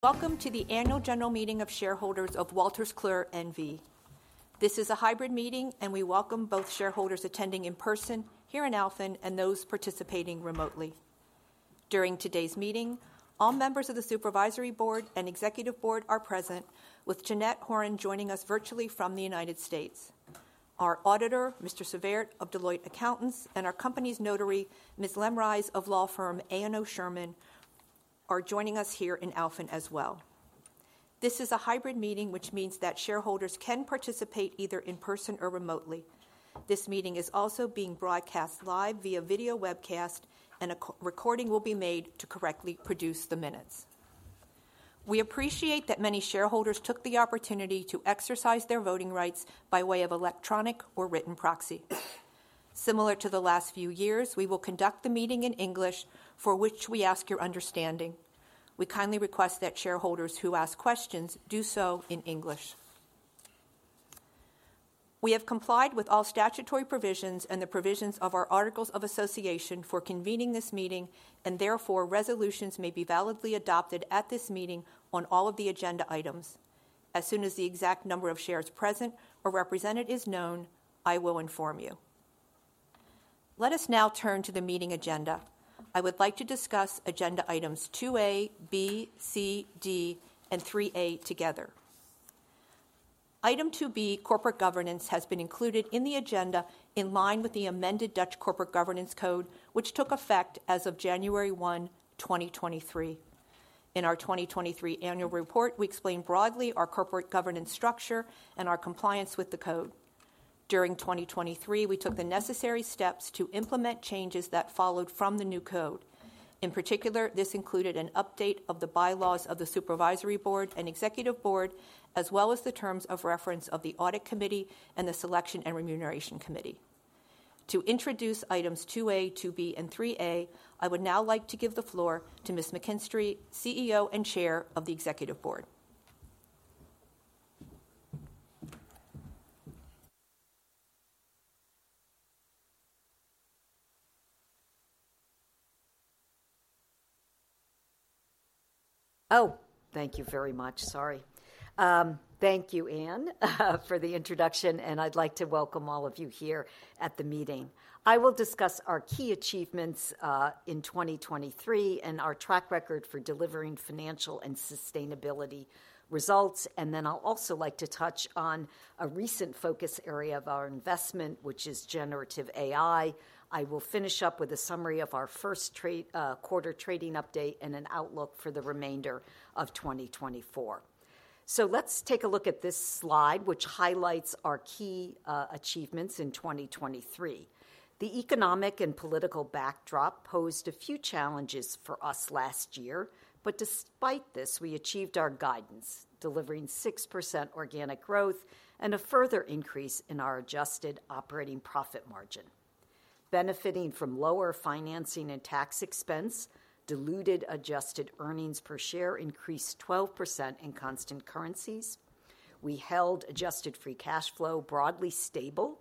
Welcome to the annual general meeting of shareholders of Wolters Kluwer NV. This is a hybrid meeting, and we welcome both shareholders attending in person here in Alphen and those participating remotely. During today's meeting, all members of the supervisory board and executive board are present, with Jeanette Horan joining us virtually from the United States. Our auditor, Mr. Savert of Deloitte Accountants, and our company's notary, Ms. Leemrijse of law firm A&O Shearman, are joining us here in Alphen as well. This is a hybrid meeting, which means that shareholders can participate either in person or remotely. This meeting is also being broadcast live via video webcast, and a recording will be made to correctly produce the minutes. We appreciate that many shareholders took the opportunity to exercise their voting rights by way of electronic or written proxy. Similar to the last few years, we will conduct the meeting in English, for which we ask your understanding. We kindly request that shareholders who ask questions do so in English. We have complied with all statutory provisions and the provisions of our articles of association for convening this meeting, and therefore, resolutions may be validly adopted at this meeting on all of the agenda items. As soon as the exact number of shares present or represented is known, I will inform you. Let us now turn to the meeting agenda. I would like to discuss agenda items 2A, B, C, D, and 3A together. Item 2B, corporate governance, has been included in the agenda in line with the amended Dutch Corporate Governance Code, which took effect as of January 1, 2023. In our 2023 annual report, we explained broadly our corporate governance structure and our compliance with the code. During 2023, we took the necessary steps to implement changes that followed from the new code. In particular, this included an update of the bylaws of the supervisory board and executive board, as well as the terms of reference of the audit committee and the selection and remuneration committee. To introduce items 2A, 2B, and 3A, I would now like to give the floor to Ms. McKinstry, CEO and Chair of the Executive Board. Oh, thank you very much. Sorry. Thank you, Ann, for the introduction, and I'd like to welcome all of you here at the meeting. I will discuss our key achievements in 2023 and our track record for delivering financial and sustainability results. Then I'll also like to touch on a recent focus area of our investment, which is generative AI. I will finish up with a summary of our first-quarter trading update and an outlook for the remainder of 2024. So let's take a look at this slide, which highlights our key achievements in 2023. The economic and political backdrop posed a few challenges for us last year, but despite this, we achieved our guidance, delivering 6% organic growth and a further increase in our adjusted operating profit margin. Benefiting from lower financing and tax expense, diluted adjusted earnings per share increased 12% in constant currencies. We held adjusted free cash flow broadly stable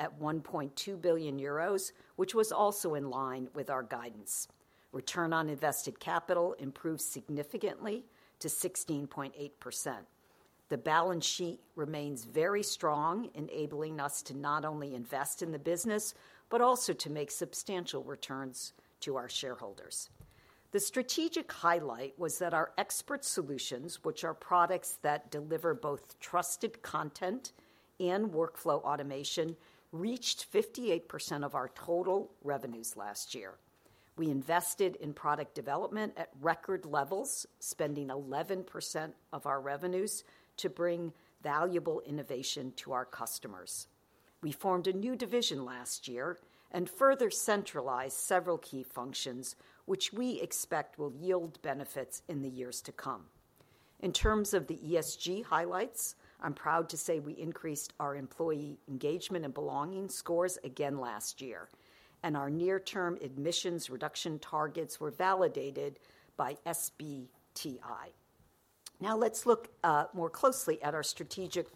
at 1.2 billion euros, which was also in line with our guidance. Return on invested capital improved significantly to 16.8%. The balance sheet remains very strong, enabling us to not only invest in the business, but also to make substantial returns to our shareholders. The strategic highlight was that our expert solutions, which are products that deliver both trusted content and workflow automation, reached 58% of our total revenues last year. We invested in product development at record levels, spending 11% of our revenues to bring valuable innovation to our customers. We formed a new division last year and further centralized several key functions, which we expect will yield benefits in the years to come. In terms of the ESG highlights, I'm proud to say we increased our employee engagement and belonging scores again last year, and our near-term emissions reduction targets were validated by SBTi. Now, let's look more closely at our strategic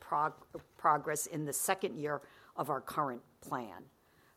progress in the second year of our current plan.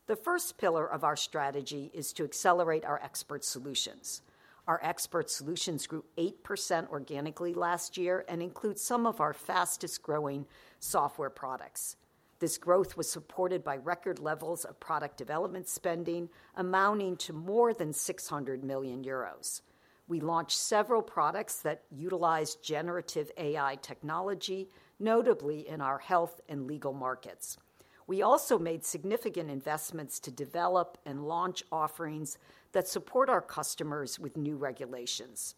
The first pillar of our strategy is to accelerate our expert solutions. Our expert solutions grew 8% organically last year and include some of our fastest-growing software products. This growth was supported by record levels of product development spending, amounting to more than 600 million euros. We launched several products that utilize generative AI technology, notably in our health and legal markets. We also made significant investments to develop and launch offerings that support our customers with new regulations.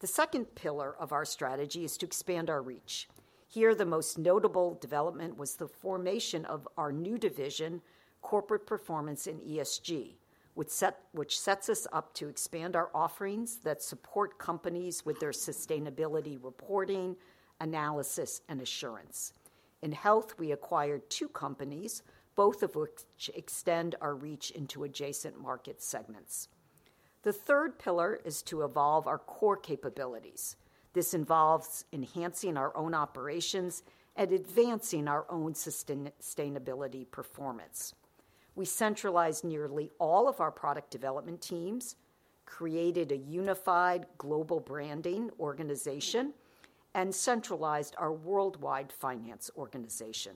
The second pillar of our strategy is to expand our reach. Here, the most notable development was the formation of our new division, Corporate Performance and ESG, which sets us up to expand our offerings that support companies with their sustainability reporting, analysis, and assurance. In health, we acquired two companies, both of which extend our reach into adjacent market segments. The third pillar is to evolve our core capabilities. This involves enhancing our own operations and advancing our own sustainability performance. We centralized nearly all of our product development teams, created a unified global branding organization, and centralized our worldwide finance organization.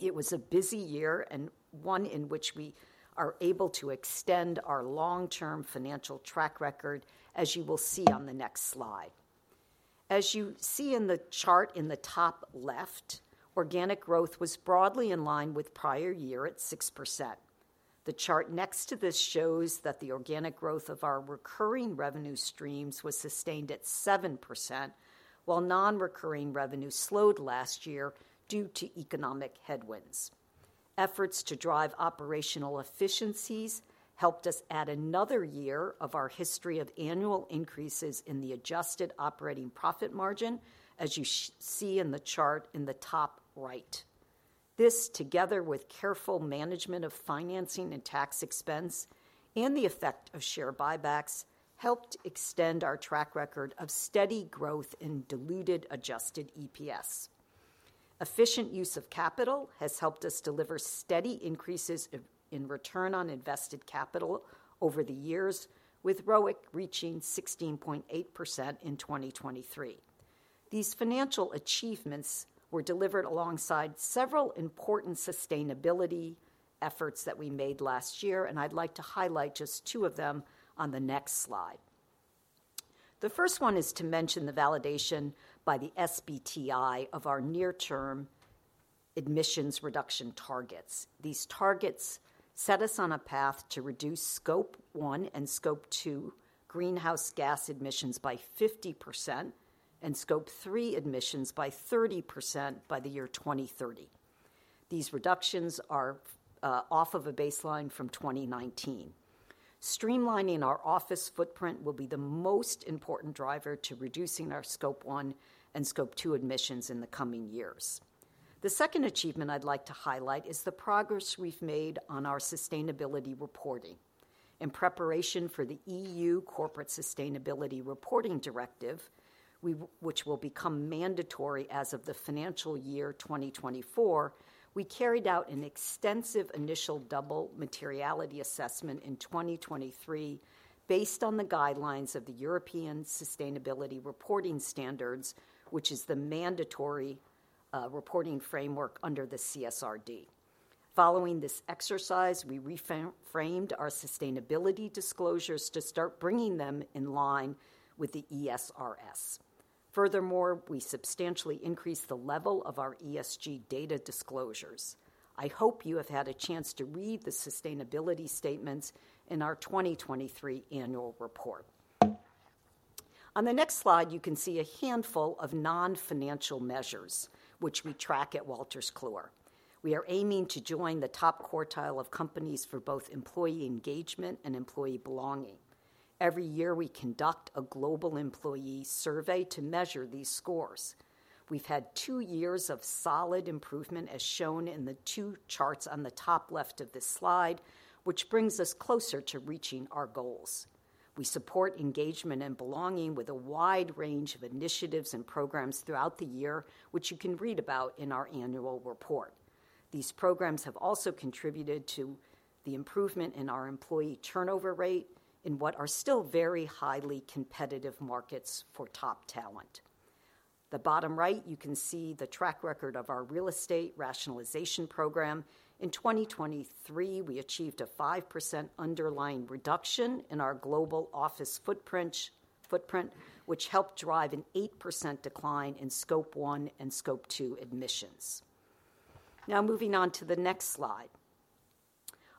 It was a busy year and one in which we are able to extend our long-term financial track record, as you will see on the next slide. As you see in the chart in the top left, organic growth was broadly in line with prior year at 6%. The chart next to this shows that the organic growth of our recurring revenue streams was sustained at 7%, while non-recurring revenue slowed last year due to economic headwinds. Efforts to drive operational efficiencies helped us add another year of our history of annual increases in the adjusted operating profit margin, as you see in the chart in the top right. This, together with careful management of financing and tax expense and the effect of share buybacks, helped extend our track record of steady growth in diluted adjusted EPS. Efficient use of capital has helped us deliver steady increases of, in return on invested capital over the years, with ROIC reaching 16.8% in 2023. These financial achievements were delivered alongside several important sustainability efforts that we made last year, and I'd like to highlight just two of them on the next slide. The first one is to mention the validation by the SBTi of our near-term emissions reduction targets. These targets set us on a path to reduce Scope One and Scope Two greenhouse gas emissions by 50% and Scope Three emissions by 30% by the year 2030. These reductions are off of a baseline from 2019. Streamlining our office footprint will be the most important driver to reducing our Scope One and Scope Two emissions in the coming years. The second achievement I'd like to highlight is the progress we've made on our sustainability reporting. In preparation for the EU Corporate Sustainability Reporting Directive, we, which will become mandatory as of the financial year 2024, we carried out an extensive initial double materiality assessment in 2023 based on the guidelines of the European Sustainability Reporting Standards, which is the mandatory reporting framework under the CSRD. Following this exercise, we reframed our sustainability disclosures to start bringing them in line with the ESRS. Furthermore, we substantially increased the level of our ESG data disclosures. I hope you have had a chance to read the sustainability statements in our 2023 annual report. On the next slide, you can see a handful of non-financial measures which we track at Wolters Kluwer. We are aiming to join the top quartile of companies for both employee engagement and employee belonging. Every year, we conduct a global employee survey to measure these scores. We've had two years of solid improvement, as shown in the two charts on the top left of this slide, which brings us closer to reaching our goals. We support engagement and belonging with a wide range of initiatives and programs throughout the year, which you can read about in our annual report. These programs have also contributed to the improvement in our employee turnover rate in what are still very highly competitive markets for top talent. The bottom right, you can see the track record of our real estate rationalization program. In 2023, we achieved a 5% underlying reduction in our global office footprint, which helped drive an 8% decline in Scope One and Scope Two emissions. Now, moving on to the next slide.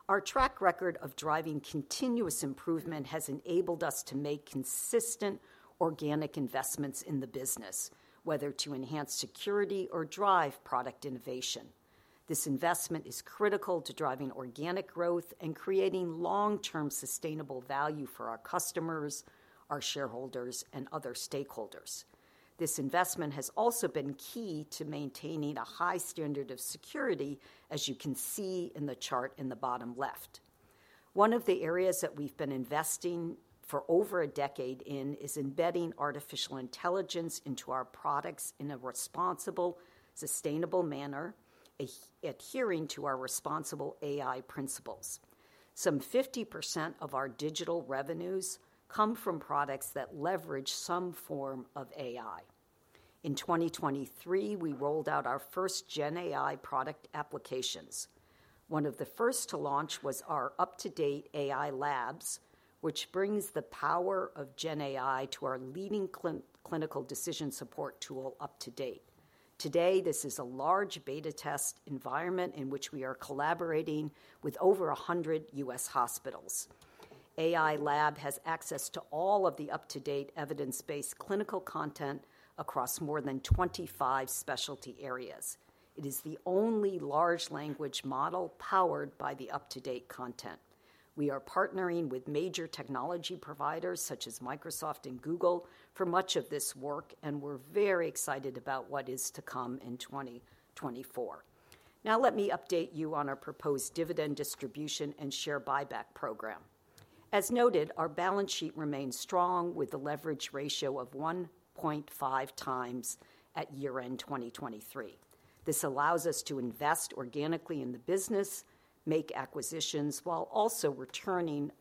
Our track record of driving continuous improvement has enabled us to make consistent organic investments in the business, whether to enhance security or drive product innovation. This investment is critical to driving organic growth and creating long-term sustainable value for our customers, our shareholders, and other stakeholders. This investment has also been key to maintaining a high standard of security, as you can see in the chart in the bottom left. One of the areas that we've been investing for over a decade in is embedding artificial intelligence into our products in a responsible, sustainable manner, adhering to our responsible AI principles. Some 50% of our digital revenues come from products that leverage some form of AI. In 2023, we rolled out our first Gen AI product applications. One of the first to launch was our UpToDate AI Labs, which brings the power of Gen AI to our leading clinical decision support tool UpToDate. Today, this is a large beta test environment in which we are collaborating with over 100 US hospitals. AI Lab has access to all of the UpToDate evidence-based clinical content across more than 25 specialty areas. It is the only large language model powered by the UpToDate content. We are partnering with major technology providers, such as Microsoft and Google, for much of this work, and we're very excited about what is to come in 2024. Now, let me update you on our proposed dividend distribution and share buyback program. As noted, our balance sheet remains strong with a leverage ratio of 1.5 times at year-end 2023. This allows us to invest organically in the business, make acquisitions, while also returning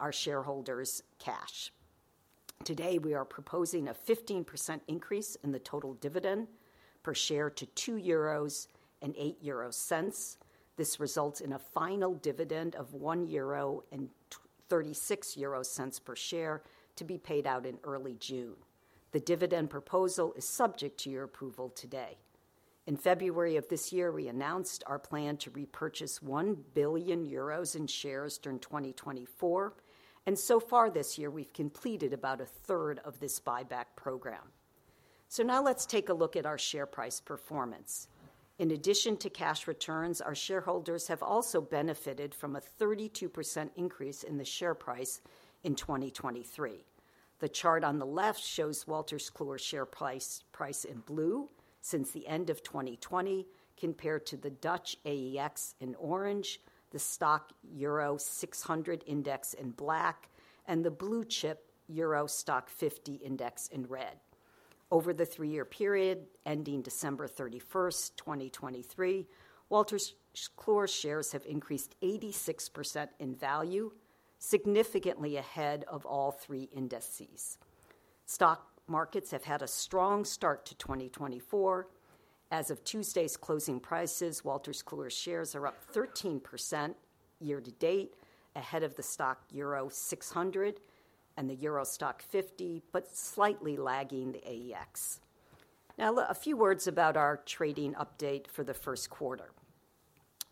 our shareholders cash. Today, we are proposing a 15% increase in the total dividend per share to 2.08 euros. This results in a final dividend of 1.36 euro per share to be paid out in early June. The dividend proposal is subject to your approval today. In February of this year, we announced our plan to repurchase 1 billion euros in shares during 2024, and so far this year, we've completed about a third of this buyback program. So now let's take a look at our share price performance. In addition to cash returns, our shareholders have also benefited from a 32% increase in the share price in 2023. The chart on the left shows Wolters Kluwer's share price, price in blue since the end of 2020, compared to the Dutch AEX in orange, the STOXX Europe 600 index in black, and the blue-chip Euro Stoxx 50 index in red. Over the three-year period ending December 31st, 2023, Wolters Kluwer shares have increased 86% in value, significantly ahead of all three indices. Stock markets have had a strong start to 2024. As of Tuesday's closing prices, Wolters Kluwer shares are up 13% year to date, ahead of the STOXX Europe 600 and the Euro Stoxx 50, but slightly lagging the AEX. Now, a few words about our trading update for the first quarter.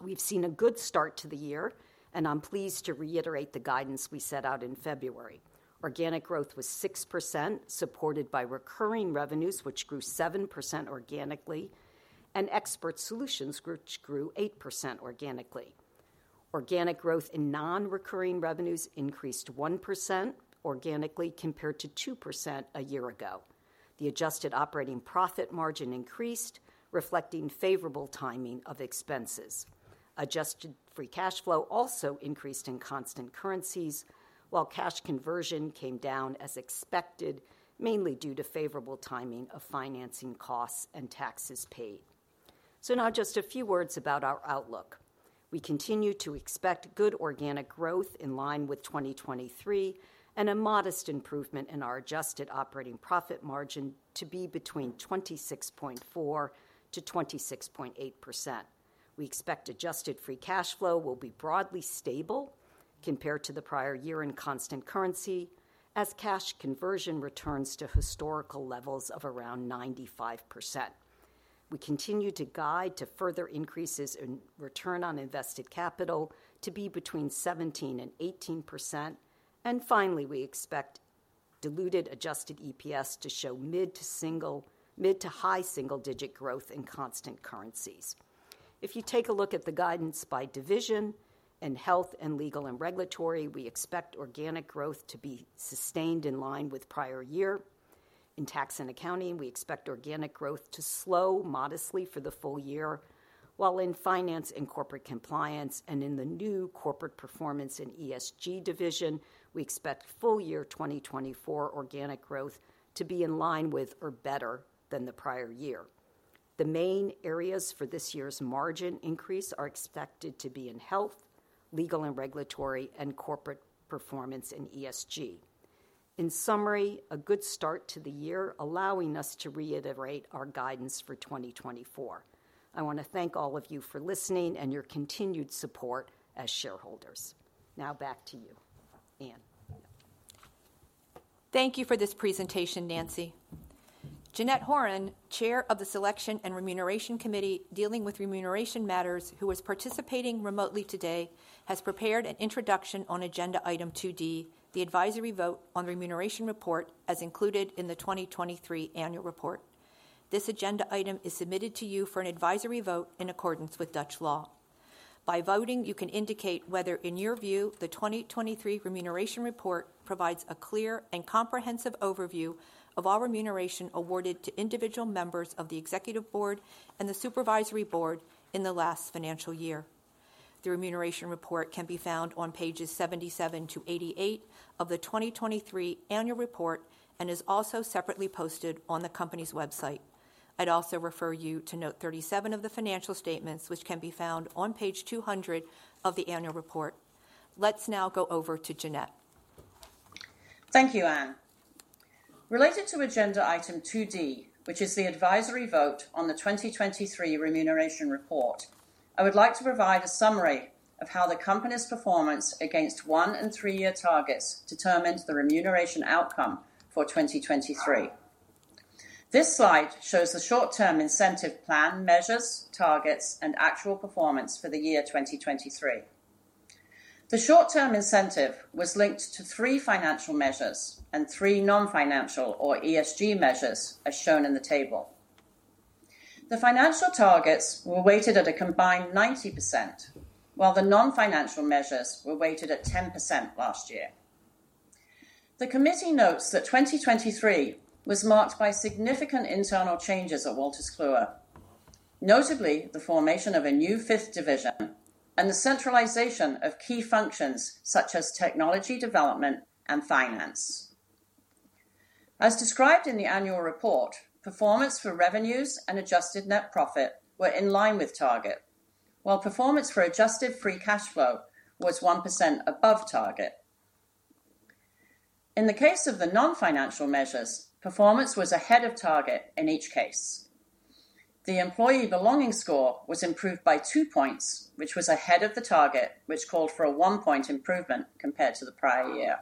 We've seen a good start to the year, and I'm pleased to reiterate the guidance we set out in February. Organic growth was 6%, supported by recurring revenues, which grew 7% organically, and expert solutions, which grew 8% organically. Organic growth in non-recurring revenues increased 1% organically, compared to 2% a year ago. The adjusted operating profit margin increased, reflecting favorable timing of expenses. Adjusted free cash flow also increased in constant currencies, while cash conversion came down as expected, mainly due to favorable timing of financing costs and taxes paid. So now just a few words about our outlook. We continue to expect good organic growth in line with 2023 and a modest improvement in our adjusted operating profit margin to be between 26.4%-26.8%. We expect adjusted free cash flow will be broadly stable compared to the prior year in constant currency as cash conversion returns to historical levels of around 95%. We continue to guide to further increases in return on invested capital to be between 17% and 18%. And finally, we expect diluted adjusted EPS to show mid- to high single-digit growth in constant currencies. If you take a look at the guidance by division, in health and legal and regulatory, we expect organic growth to be sustained in line with prior year. In tax and accounting, we expect organic growth to slow modestly for the full year, while in finance and corporate compliance and in the new corporate performance and ESG division, we expect full-year 2024 organic growth to be in line with or better than the prior year. The main areas for this year's margin increase are expected to be in health, legal and regulatory, and corporate performance and ESG. In summary, a good start to the year, allowing us to reiterate our guidance for 2024. I want to thank all of you for listening and your continued support as shareholders. Now back to you, Ann. Thank you for this presentation, Nancy. Jeanette Horan, Chair of the Selection and Remuneration Committee, dealing with remuneration matters, who is participating remotely today, has prepared an introduction on agenda item 2D, the advisory vote on the remuneration report as included in the 2023 annual report. This agenda item is submitted to you for an advisory vote in accordance with Dutch law. By voting, you can indicate whether, in your view, the 2023 remuneration report provides a clear and comprehensive overview of all remuneration awarded to individual members of the executive board and the supervisory board in the last financial year. The remuneration report can be found on pages 77-88 of the 2023 annual report and is also separately posted on the company's website. I'd also refer you to note 37 of the financial statements, which can be found on page 200 of the annual report. Let's now go over to Jeanette. Thank you, Ann. Related to agenda item 2D, which is the advisory vote on the 2023 remuneration report, I would like to provide a summary of how the company's performance against 1- and 3-year targets determined the remuneration outcome for 2023. This slide shows the short-term incentive plan measures, targets, and actual performance for the year 2023. The short-term incentive was linked to three financial measures and three non-financial or ESG measures, as shown in the table. The financial targets were weighted at a combined 90%, while the non-financial measures were weighted at 10% last year.... The committee notes that 2023 was marked by significant internal changes at Wolters Kluwer. Notably, the formation of a new fifth division and the centralization of key functions, such as technology development and finance. As described in the annual report, performance for revenues and adjusted net profit were in line with target, while performance for adjusted free cash flow was 1% above target. In the case of the non-financial measures, performance was ahead of target in each case. The employee belonging score was improved by 2 points, which was ahead of the target, which called for a 1-point improvement compared to the prior year.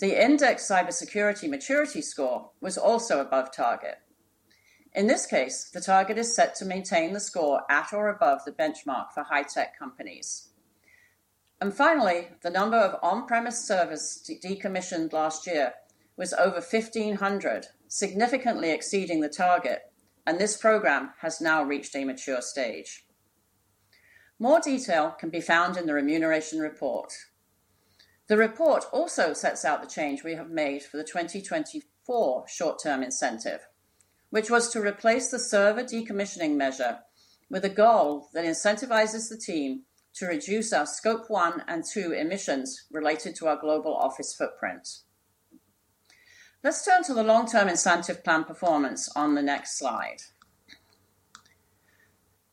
The index cybersecurity maturity score was also above target. In this case, the target is set to maintain the score at or above the benchmark for high-tech companies. Finally, the number of on-premise services decommissioned last year was over 1,500, significantly exceeding the target, and this program has now reached a mature stage. More detail can be found in the remuneration report. The report also sets out the change we have made for the 2024 short-term incentive, which was to replace the server decommissioning measure with a goal that incentivizes the team to reduce our scope one and two emissions related to our global office footprint. Let's turn to the long-term incentive plan performance on the next slide.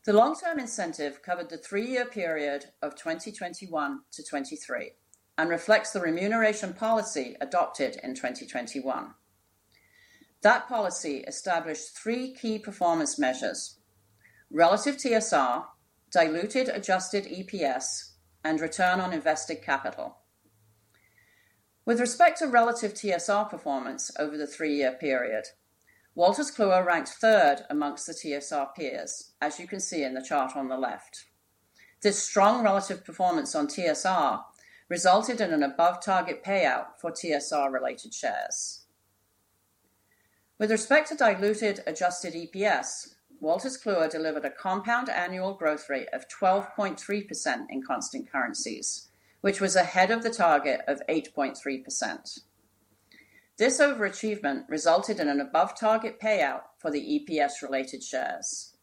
The long-term incentive covered the three-year period of 2021 to 2023 and reflects the remuneration policy adopted in 2021. That policy established three key performance measures: relative TSR, diluted adjusted EPS, and return on invested capital. With respect to relative TSR performance over the three-year period, Wolters Kluwer ranked third among the TSR peers, as you can see in the chart on the left. This strong relative performance on TSR resulted in an above-target payout for TSR-related shares. With respect to diluted adjusted EPS, Wolters Kluwer delivered a compound annual growth rate of 12.3% in constant currencies, which was ahead of the target of 8.3%. This overachievement resulted in an above-target payout for the EPS-related shares.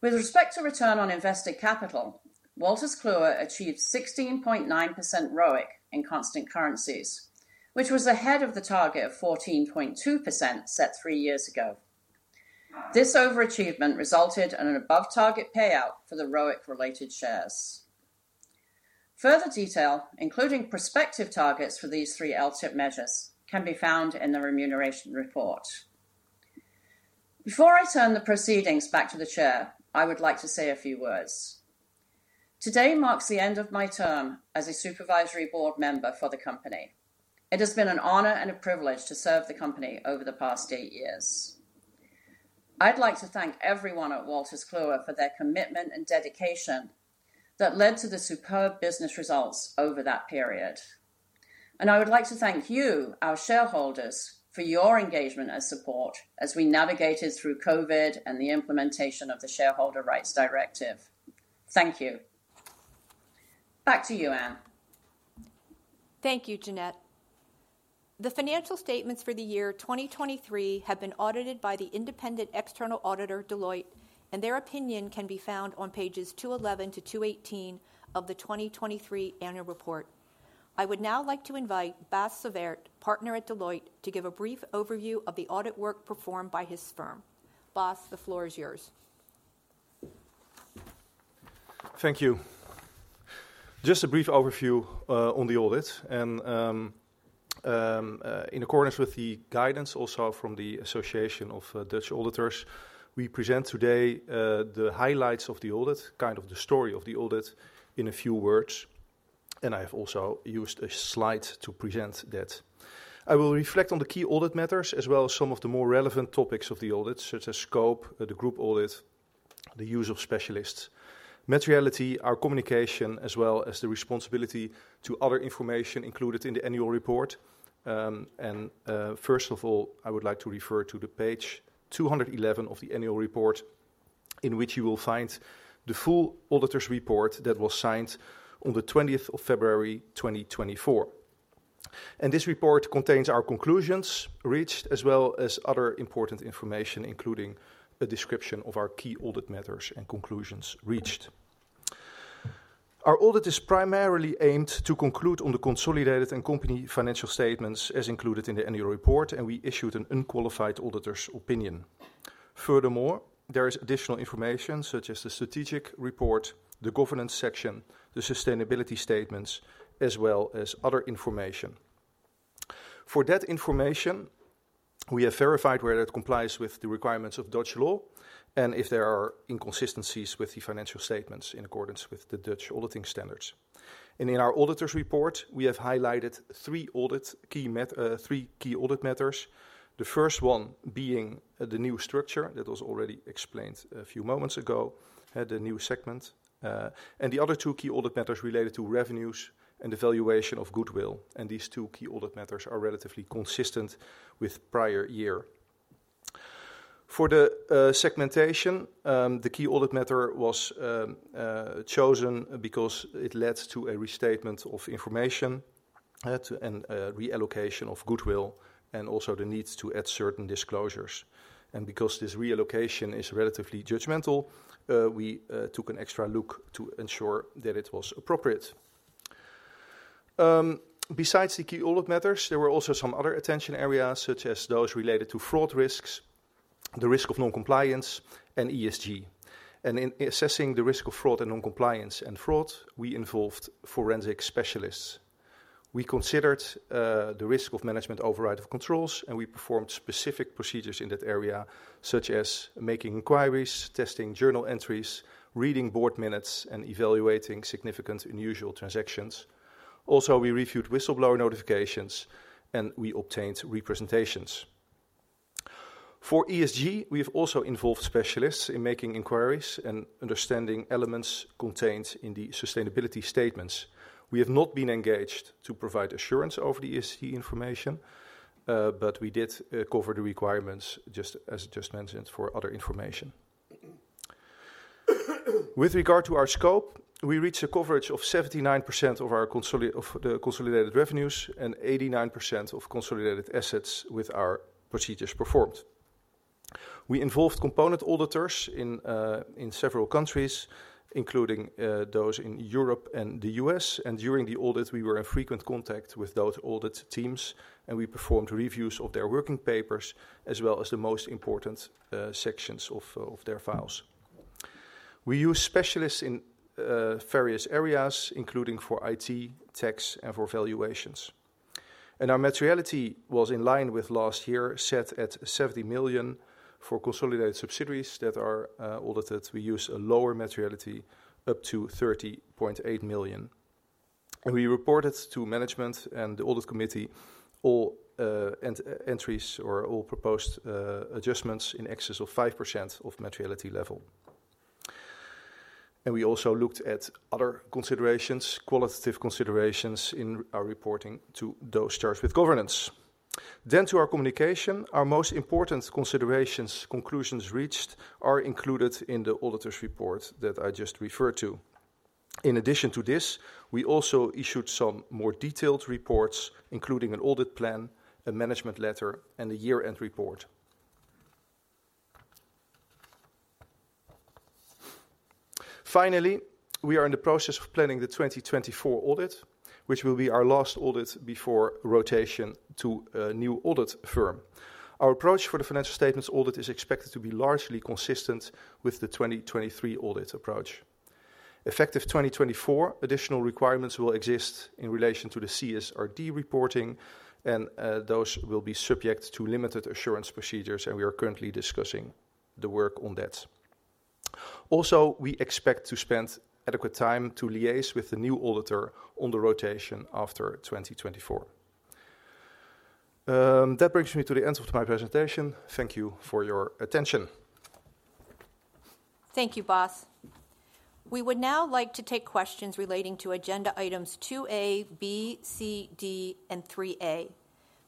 With respect to return on invested capital, Wolters Kluwer achieved 16.9% ROIC in constant currencies, which was ahead of the target of 14.2%, set three years ago. This overachievement resulted in an above-target payout for the ROIC-related shares. Further detail, including prospective targets for these three LTIP measures, can be found in the remuneration report. Before I turn the proceedings back to the chair, I would like to say a few words. Today marks the end of my term as a supervisory board member for the company. It has been an honor and a privilege to serve the company over the past eight years. I'd like to thank everyone at Wolters Kluwer for their commitment and dedication that led to the superb business results over that period. I would like to thank you, our shareholders, for your engagement and support as we navigated through COVID and the implementation of the Shareholder Rights Directive. Thank you. Back to you, Ann. Thank you, Jeanette. The financial statements for the year 2023 have been audited by the independent external auditor, Deloitte, and their opinion can be found on pages 211 to 218 of the 2023 annual report. I would now like to invite Bas Savert, partner at Deloitte, to give a brief overview of the audit work performed by his firm. Bas, the floor is yours. Thank you. Just a brief overview on the audit, and in accordance with the guidance also from the Association of Dutch Auditors, we present today the highlights of the audit, kind of the story of the audit in a few words, and I have also used a slide to present that. I will reflect on the key audit matters, as well as some of the more relevant topics of the audit, such as scope, the group audit, the use of specialists, materiality, our communication, as well as the responsibility to other information included in the annual report. First of all, I would like to refer to page 211 of the annual report, in which you will find the full auditor's report that was signed on the twentieth of February, 2024. This report contains our conclusions reached, as well as other important information, including a description of our key audit matters and conclusions reached. Our audit is primarily aimed to conclude on the consolidated and company financial statements as included in the annual report, and we issued an unqualified auditor's opinion. Furthermore, there is additional information, such as the strategic report, the governance section, the sustainability statements, as well as other information. For that information, we have verified whether it complies with the requirements of Dutch law and if there are inconsistencies with the financial statements in accordance with the Dutch auditing standards. In our auditor's report, we have highlighted three key audit matters. The first one being the new structure, that was already explained a few moments ago, at the new segment. And the other two key audit matters related to revenues and the valuation of goodwill, and these two key audit matters are relatively consistent with prior year. For the segmentation, the key audit matter was chosen because it led to a restatement of information, to and reallocation of goodwill, and also the need to add certain disclosures. And because this reallocation is relatively judgmental, we took an extra look to ensure that it was appropriate. Besides the key audit matters, there were also some other attention areas, such as those related to fraud risks, the risk of non-compliance, and ESG. And in assessing the risk of fraud and non-compliance and fraud, we involved forensic specialists. We considered the risk of management override of controls, and we performed specific procedures in that area, such as making inquiries, testing journal entries, reading board minutes, and evaluating significant unusual transactions. Also, we reviewed whistleblower notifications, and we obtained representations. For ESG, we've also involved specialists in making inquiries and understanding elements contained in the sustainability statements. We have not been engaged to provide assurance over the ESG information, but we did cover the requirements, just as just mentioned, for other information. With regard to our scope, we reached a coverage of 79% of our consolidated revenues, and 89% of consolidated assets with our procedures performed. We involved component auditors in several countries, including those in Europe and the US. During the audit, we were in frequent contact with those audit teams, and we performed reviews of their working papers, as well as the most important sections of their files. We use specialists in various areas, including for IT, tax, and for valuations. Our materiality was in line with last year, set at 70 million. For consolidated subsidiaries that are audited, we use a lower materiality, up to 30.8 million. We reported to management and the audit committee all entries or all proposed adjustments in excess of 5% of materiality level. We also looked at other considerations, qualitative considerations, in our reporting to those charged with governance. Our communication, our most important considerations, conclusions reached, are included in the auditor's report that I just referred to. In addition to this, we also issued some more detailed reports, including an audit plan, a management letter, and a year-end report. Finally, we are in the process of planning the 2024 audit, which will be our last audit before rotation to a new audit firm. Our approach for the financial statements audit is expected to be largely consistent with the 2023 audit approach. Effective 2024, additional requirements will exist in relation to the CSRD reporting, and those will be subject to limited assurance procedures, and we are currently discussing the work on that. Also, we expect to spend adequate time to liaise with the new auditor on the rotation after 2024. That brings me to the end of my presentation. Thank you for your attention. Thank you, Bas. We would now like to take questions relating to agenda items 2A, B, C, D, and 3A.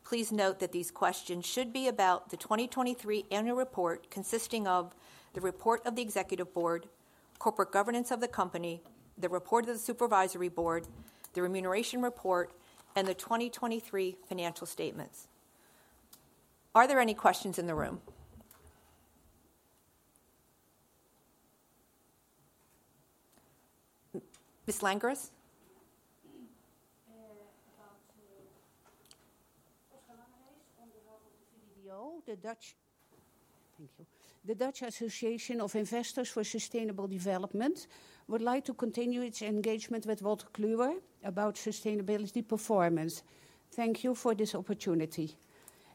Please note that these questions should be about the 2023 annual report, consisting of: the report of the Executive Board, corporate governance of the company, the report of the Supervisory Board, the remuneration report, and the 2023 financial statements. Are there any questions in the room? Ms. Langeres? Oscar Langeres on behalf of the VBDO, the Dutch Association of Investors for Sustainable Development, would like to continue its engagement with Wolters Kluwer about sustainability performance. Thank you for this opportunity.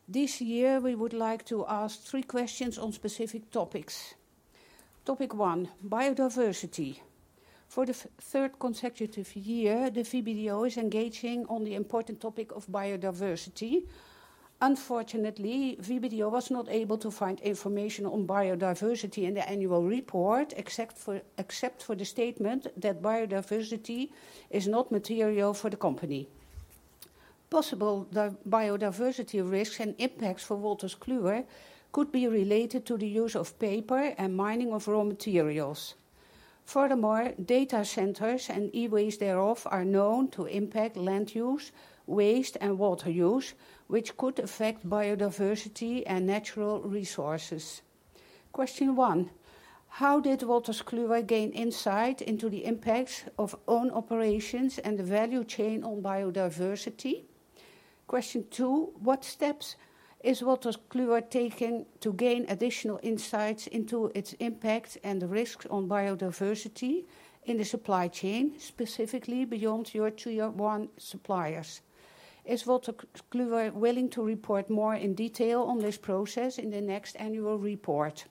This year, we would like to ask three questions on specific topics. Topic one, biodiversity. For the third consecutive year, the VBDO is engaging on the important topic of biodiversity. Unfortunately, VBDO was not able to find information on biodiversity in the annual report, except for the statement that biodiversity is not material for the company. Possible biodiversity risks and impacts for Wolters Kluwer could be related to the use of paper and mining of raw materials. Furthermore, data centers and e-waste thereof are known to impact land use, waste, and water use, which could affect biodiversity and natural resources. Question one: How did Wolters Kluwer gain insight into the impacts of own operations and the value chain on biodiversity? Question two: What steps is Wolters Kluwer taking to gain additional insights into its impact and the risks on biodiversity in the supply chain, specifically beyond your tier one suppliers? Is Wolters Kluwer willing to report more in detail on this process in the next annual report?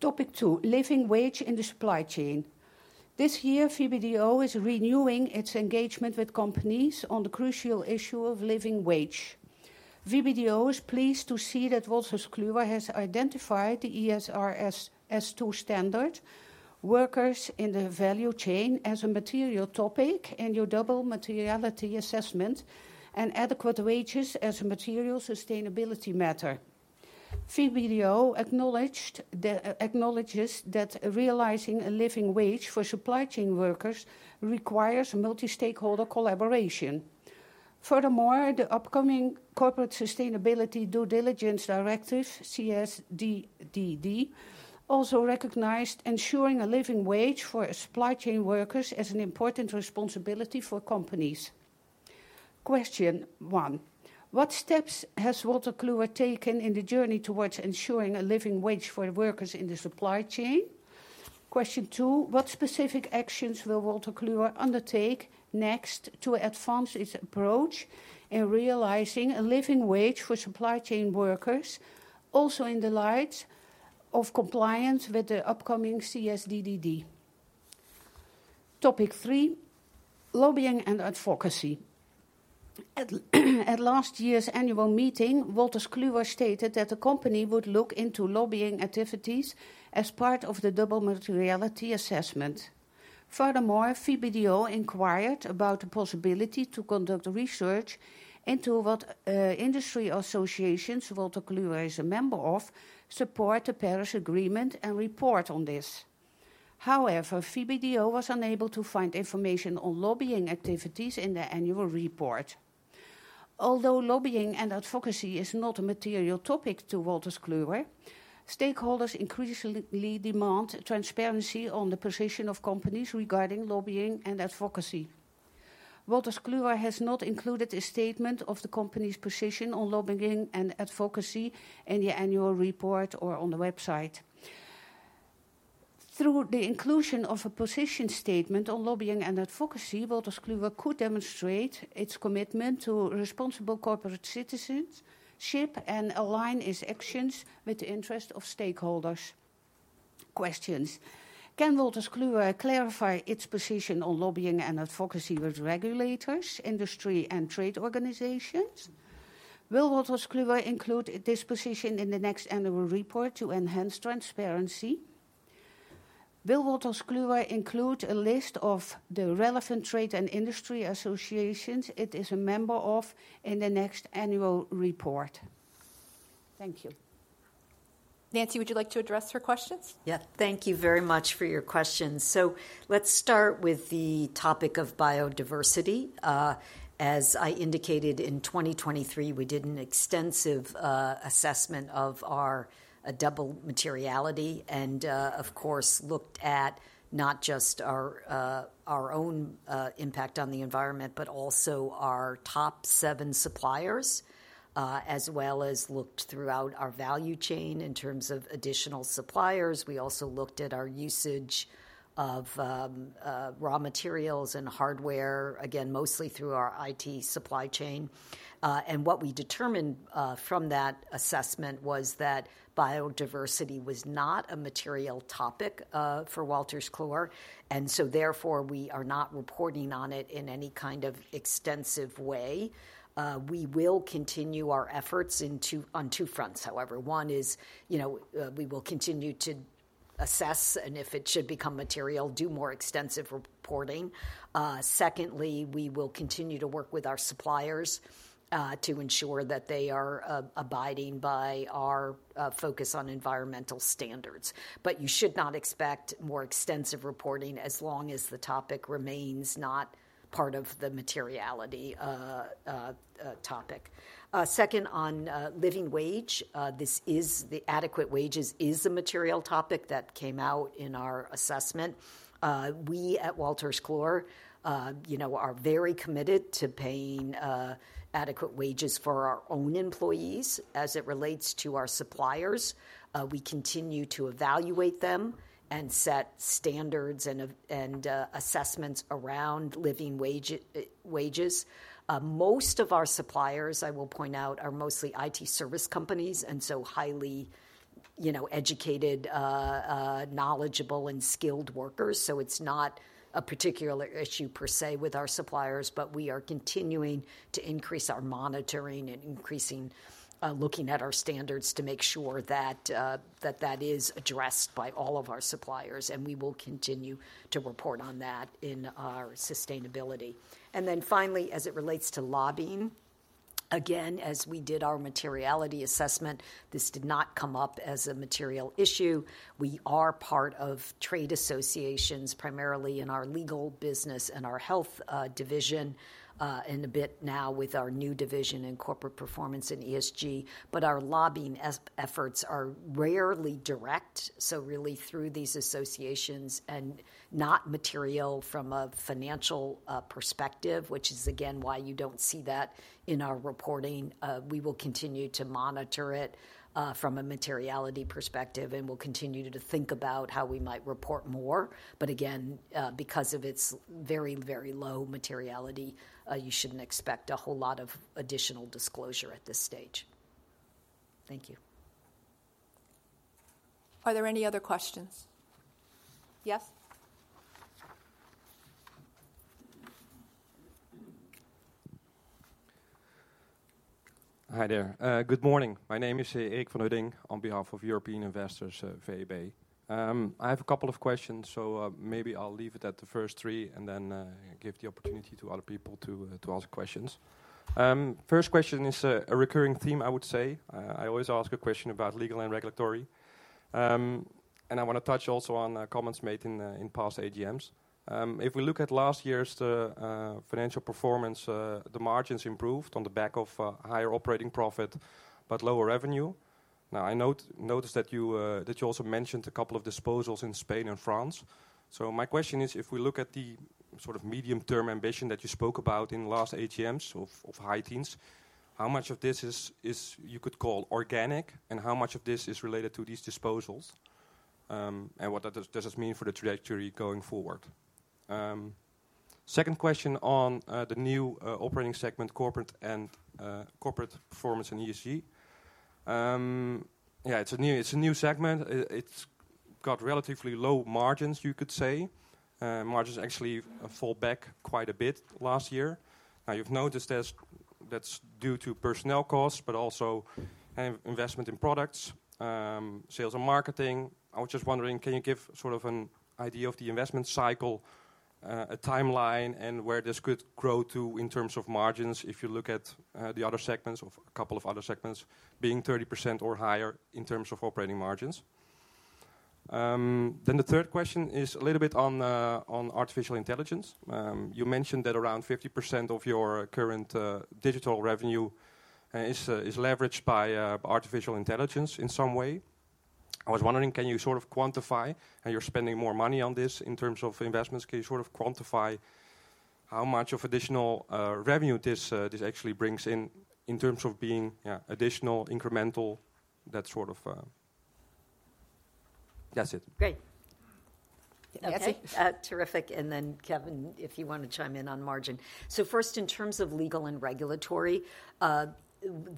Topic two, living wage in the supply chain. This year, VBDO is renewing its engagement with companies on the crucial issue of living wage. VBDO is pleased to see that Wolters Kluwer has identified the ESRS S2 standard, workers in the value chain as a material topic, and your double materiality assessment, and adequate wages as a material sustainability matter. VBDO acknowledges that realizing a living wage for supply chain workers requires multi-stakeholder collaboration. Furthermore, the upcoming Corporate Sustainability Due Diligence Directive, CSDDD, also recognized ensuring a living wage for supply chain workers as an important responsibility for companies. Question one: What steps has Wolters Kluwer taken in the journey towards ensuring a living wage for workers in the supply chain? Question two: What specific actions will Wolters Kluwer undertake next to advance its approach in realizing a living wage for supply chain workers, also in the light of compliance with the upcoming CSDDD? Topic three, lobbying and advocacy. At last year's annual meeting, Wolters Kluwer stated that the company would look into lobbying activities as part of the double materiality assessment. Furthermore, VBDO inquired about the possibility to conduct research into what industry associations Wolters Kluwer is a member of, support the Paris Agreement and report on this. However, VBDO was unable to find information on lobbying activities in the annual report. Although lobbying and advocacy is not a material topic to Wolters Kluwer, stakeholders increasingly demand transparency on the position of companies regarding lobbying and advocacy. Wolters Kluwer has not included a statement of the company's position on lobbying and advocacy in the annual report or on the website. Through the inclusion of a position statement on lobbying and advocacy, Wolters Kluwer could demonstrate its commitment to responsible corporate citizenship and align its actions with the interest of stakeholders. Questions: Can Wolters Kluwer clarify its position on lobbying and advocacy with regulators, industry, and trade organizations? Will Wolters Kluwer include this position in the next annual report to enhance transparency? Will Wolters Kluwer include a list of the relevant trade and industry associations it is a member of in the next annual report? Thank you. Nancy, would you like to address her questions? Yeah. Thank you very much for your questions. So let's start with the topic of biodiversity. As I indicated, in 2023, we did an extensive assessment of our double materiality, and, of course, looked at not just our own impact on the environment, but also our top seven suppliers, as well as looked throughout our value chain in terms of additional suppliers. We also looked at our usage of raw materials and hardware, again, mostly through our IT supply chain. And what we determined from that assessment was that biodiversity was not a material topic for Wolters Kluwer, and so therefore, we are not reporting on it in any kind of extensive way. We will continue our efforts on two fronts, however. One is, you know, we will continue to assess, and if it should become material, do more extensive reporting. Secondly, we will continue to work with our suppliers, to ensure that they are, abiding by our, focus on environmental standards. But you should not expect more extensive reporting as long as the topic remains not part of the materiality, topic. Second, on, living wage, this is... the adequate wages is a material topic that came out in our assessment. We at Wolters Kluwer, you know, are very committed to paying, adequate wages for our own employees. As it relates to our suppliers, we continue to evaluate them and set standards and and, assessments around living wage, wages. Most of our suppliers, I will point out, are mostly IT service companies, and so highly, you know, educated, knowledgeable and skilled workers. So it's not a particular issue per se with our suppliers, but we are continuing to increase our monitoring and increasing looking at our standards to make sure that that that is addressed by all of our suppliers, and we will continue to report on that in our sustainability. And then finally, as it relates to lobbying, again, as we did our materiality assessment, this did not come up as a material issue. We are part of trade associations, primarily in our legal business and our health division, and a bit now with our new division in corporate performance and ESG. But our lobbying efforts are rarely direct, so really through these associations and not material from a financial perspective, which is again, why you don't see that in our reporting. We will continue to monitor it from a materiality perspective, and we'll continue to think about how we might report more. But again, because of its very, very low materiality, you shouldn't expect a whole lot of additional disclosure at this stage. Thank you. Are there any other questions? Yes. Hi there. Good morning. My name is Eric van Huijstee, on behalf of European Investors, VEB. I have a couple of questions, so, maybe I'll leave it at the first three and then, give the opportunity to other people to ask questions. First question is a recurring theme, I would say. I always ask a question about legal and regulatory. And I wanna touch also on comments made in past AGMs. If we look at last year's financial performance, the margins improved on the back of higher operating profit, but lower revenue. Now, I noticed that you also mentioned a couple of disposals in Spain and France. So my question is: if we look at the sort of medium-term ambition that you spoke about in the last AGMs of high teens, how much of this you could call organic, and how much of this is related to these disposals? And what does this mean for the trajectory going forward? Second question on the new operating segment, corporate and corporate performance and ESG. Yeah, it's a new segment. It's got relatively low margins, you could say. Margins actually fall back quite a bit last year. Now, you've noticed as that's due to personnel costs, but also investment in products, sales and marketing. I was just wondering, can you give sort of an idea of the investment cycle, a timeline, and where this could grow to in terms of margins, if you look at, the other segments, of a couple of other segments being 30% or higher in terms of operating margins? Then the third question is a little bit on, on artificial intelligence. You mentioned that around 50% of your current, digital revenue, is, is leveraged by, artificial intelligence in some way. I was wondering, can you sort of quantify, and you're spending more money on this in terms of investments, can you sort of quantify how much of additional, revenue this, this actually brings in, in terms of being, yeah, additional, incremental, that sort of... That's it. Great. Nancy? Okay. Terrific, and then, Kevin, if you want to chime in on margin. So first, in terms of legal and regulatory,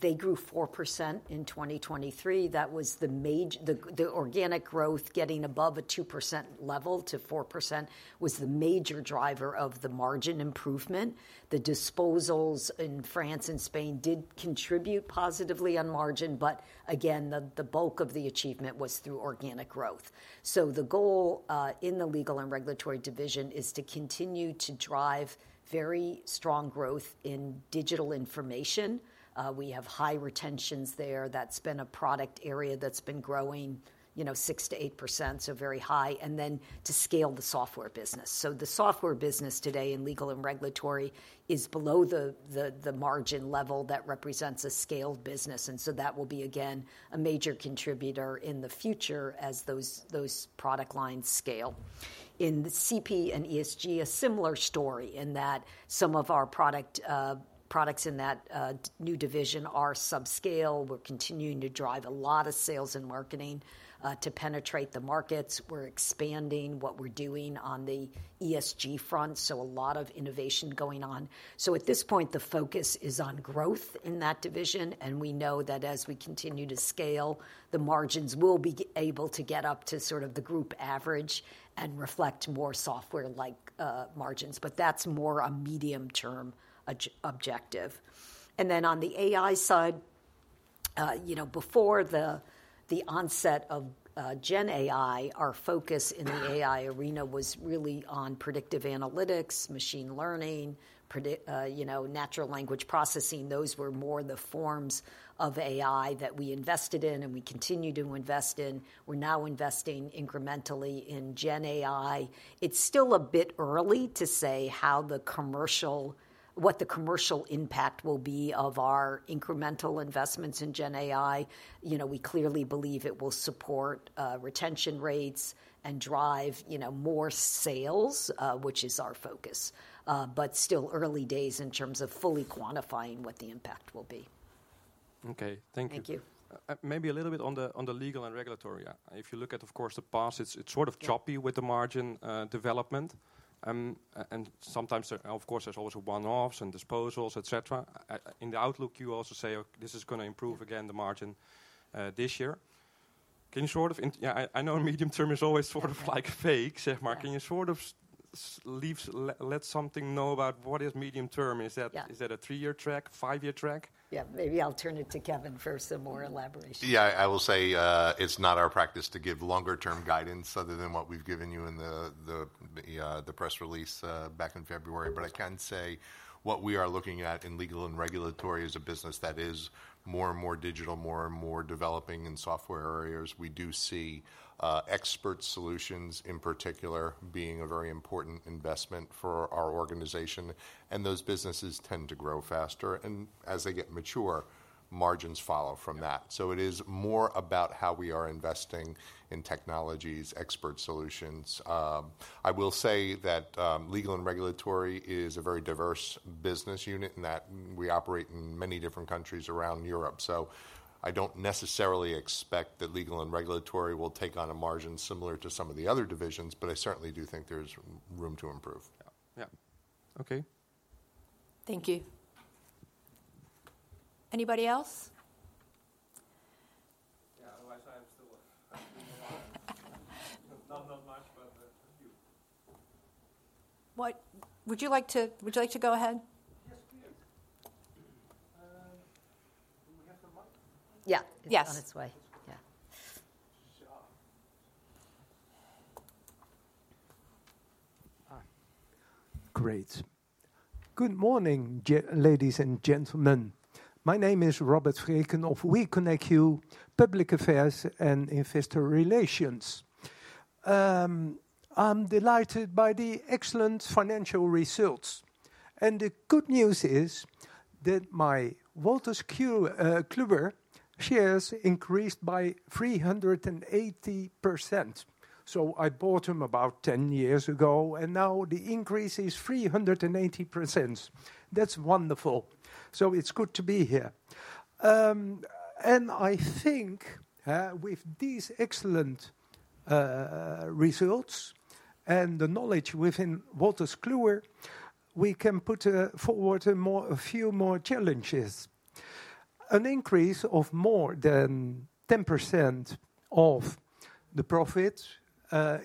they grew 4% in 2023. That was the organic growth, getting above a 2% level to 4%, was the major driver of the margin improvement. The disposals in France and Spain did contribute positively on margin, but again, the bulk of the achievement was through organic growth. So the goal in the legal and regulatory division is to continue to drive very strong growth in digital information. We have high retentions there. That's been a product area that's been growing, you know, 6%-8%, so very high, and then to scale the software business. So the software business today in legal and regulatory is below the margin level that represents a scaled business, and so that will be, again, a major contributor in the future as those product lines scale. In the CP and ESG, a similar story, in that some of our products in that new division are subscale. We're continuing to drive a lot of sales and marketing to penetrate the markets. We're expanding what we're doing on the ESG front, so a lot of innovation going on. So at this point, the focus is on growth in that division, and we know that as we continue to scale, the margins will be able to get up to sort of the group average and reflect more software-like margins, but that's more a medium-term objective. And then on the AI side, you know, before the onset of GenAI, our focus in the AI arena was really on predictive analytics, machine learning, you know, natural language processing. Those were more the forms of AI that we invested in, and we continue to invest in. We're now investing incrementally in GenAI. It's still a bit early to say how the commercial... what the commercial impact will be of our incremental investments in GenAI. You know, we clearly believe it will support retention rates and drive, you know, more sales, which is our focus. But still early days in terms of fully quantifying what the impact will be. Okay, thank you. Thank you. Maybe a little bit on the legal and regulatory. If you look at, of course, the past, it's sort of choppy- Yeah... with the margin development. And sometimes there, of course, there's also one-offs and disposals, et cetera. In the outlook, you also say this is gonna improve again, the margin this year. Can you sort of in-- Yeah, I, I know medium term is always sort of-... like, vague, say, Mark. Yeah. Can you sort of let something know about what is medium term? Yeah. Is that, is that a three-year track, five-year track? Yeah, maybe I'll turn it to Kevin for some more elaboration. Yeah, I will say, it's not our practice to give longer-term guidance other than what we've given you in the press release back in February. But I can say what we are looking at in legal and regulatory is a business that is more and more digital, more and more developing in software areas. We do see expert solutions, in particular, being a very important investment for our organization, and those businesses tend to grow faster, and as they get mature, margins follow from that. Yeah. So it is more about how we are investing in technologies, expert solutions. I will say that legal and regulatory is a very diverse business unit, in that we operate in many different countries around Europe. So I don't necessarily expect that legal and regulatory will take on a margin similar to some of the other divisions, but I certainly do think there's room to improve. Yeah. Yeah. Okay. Thank you. Anybody else? Yeah, otherwise, I'm still not much, but thank you. Would you like to, would you like to go ahead? Yes, please. Do we have the mic? Yeah. Yes. It's on its way.... Hi. Great. Good morning, ladies and gentlemen. My name is Robert Vreeken of WeConnectU Public Affairs and Investor Relations. I'm delighted by the excellent financial results, and the good news is that my Wolters Kluwer shares increased by 380%. So I bought them about 10 years ago, and now the increase is 380%. That's wonderful. So it's good to be here. And I think, with these excellent results and the knowledge within Wolters Kluwer, we can put forward a few more challenges. An increase of more than 10% of the profit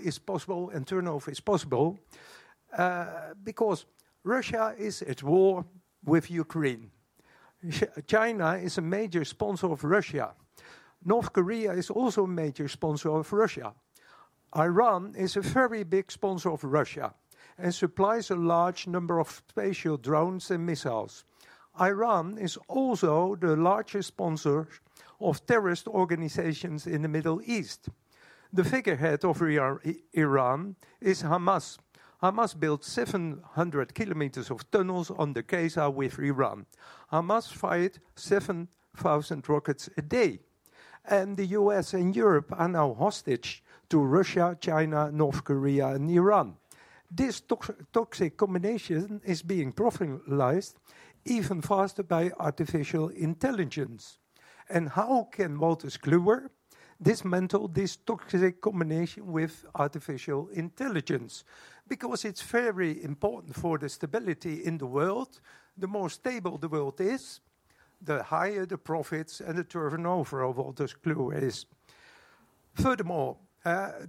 is possible, and turnover is possible, because Russia is at war with Ukraine. China is a major sponsor of Russia. North Korea is also a major sponsor of Russia. Iran is a very big sponsor of Russia and supplies a large number of special drones and missiles. Iran is also the largest sponsor of terrorist organizations in the Middle East. The figurehead of Iran is Hamas. Hamas built 700 km of tunnels under Gaza with Iran. Hamas fired 7,000 rockets a day, and the U.S. and Europe are now hostage to Russia, China, North Korea, and Iran. This toxic combination is being popularized even faster by artificial intelligence. How can Wolters Kluwer dismantle this toxic combination with artificial intelligence? Because it's very important for the stability in the world. The more stable the world is, the higher the profits and the turnover of Wolters Kluwer is. Furthermore,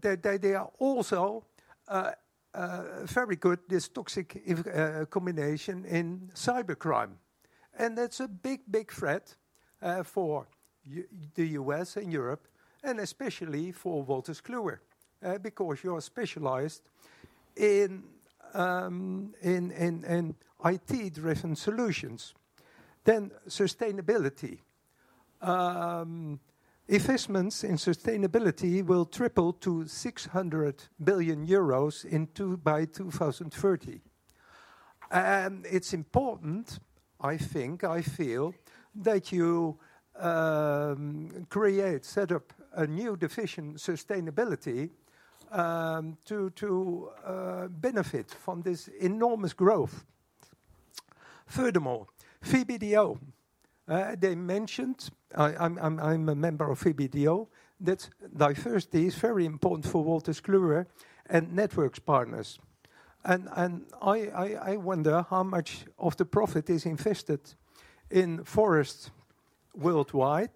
they are also very good, this toxic combination in cybercrime. That's a big, big threat for the US and Europe, and especially for Wolters Kluwer, because you are specialized in IT-driven solutions. Then sustainability. Investments in sustainability will triple to 600 billion euros by 2030. And it's important, I think, I feel, that you create, set up a new division, sustainability, to benefit from this enormous growth. Furthermore, VBDO, they mentioned, I'm a member of VBDO, that diversity is very important for Wolters Kluwer and networks partners. And I wonder how much of the profit is invested in forests worldwide.